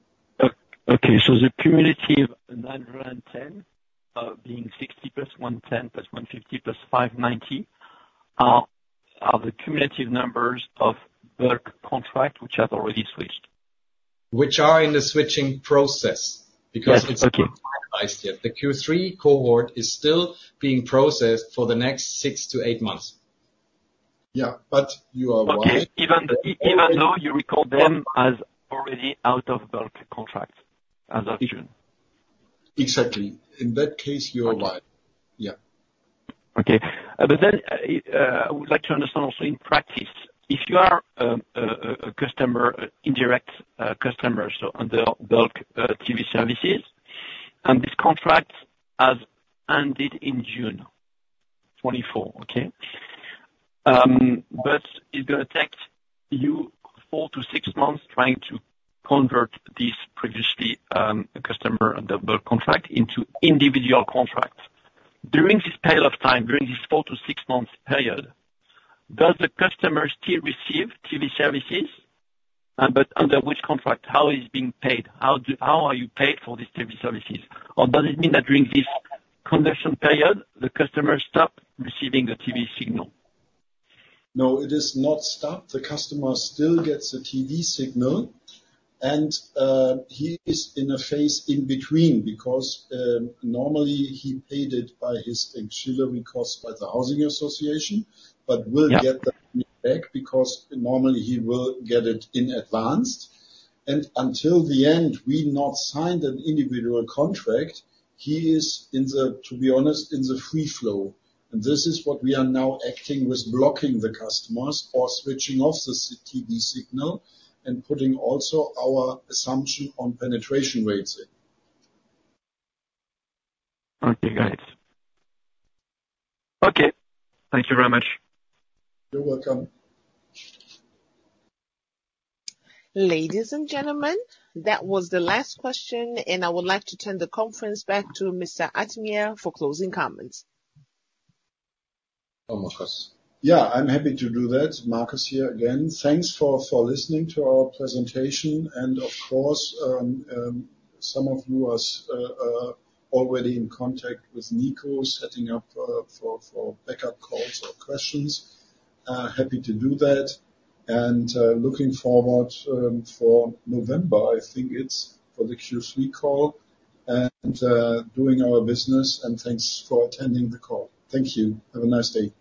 Okay, so the cumulative 910, being 60+110+150+590, are the cumulative numbers of bulk contract, which have already switched?
Which are in the switching process, because-
Yes, okay.
The Q3 cohort is still being processed for the next six to eight months.
Yeah, but you are right.
Okay, even though you record them as already out of bulk contracts, as of June?
Exactly. In that case, you are right. Yeah.
Okay. But then I would like to understand also in practice, if you are a customer, indirect customer, so under bulk TV services, and this contract has ended in June 2024, okay? But it's gonna take you 4 to 6 months trying to convert these previously customer under bulk contract into individual contracts. During this period of time, during this 4 to 6 months period, does the customer still receive TV services? But under which contract, how is being paid? How are you paid for these TV services? Or does it mean that during this conversion period, the customer stop receiving the TV signal?
No, it is not stopped. The customer still gets a TV signal, and, he is in a phase in between, because, normally, he paid it by his auxiliary costs by the housing association-
Yeah.
But will get that back, because normally he will get it in advance. And until the end, we not signed an individual contract, he is in the, to be honest, in the free flow. And this is what we are now acting with blocking the customers or switching off the cable TV signal and putting also our assumption on penetration rates in.
Okay, guys. Okay, thank you very much.
You're welcome.
Ladies and gentlemen, that was the last question, and I would like to turn the conference back to Mr. Artymiak for closing comments.
Yeah, I'm happy to do that. Markus here again. Thanks for listening to our presentation and of course, some of you are already in contact with Nico, setting up for backup calls or questions. Happy to do that and looking forward for November, I think it's for the Q3 call, and doing our business. And thanks for attending the call. Thank you. Have a nice day.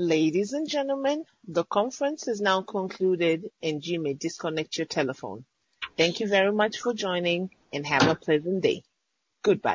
Ladies and gentlemen, the conference is now concluded, and you may disconnect your telephone. Thank you very much for joining, and have a pleasant day. Goodbye.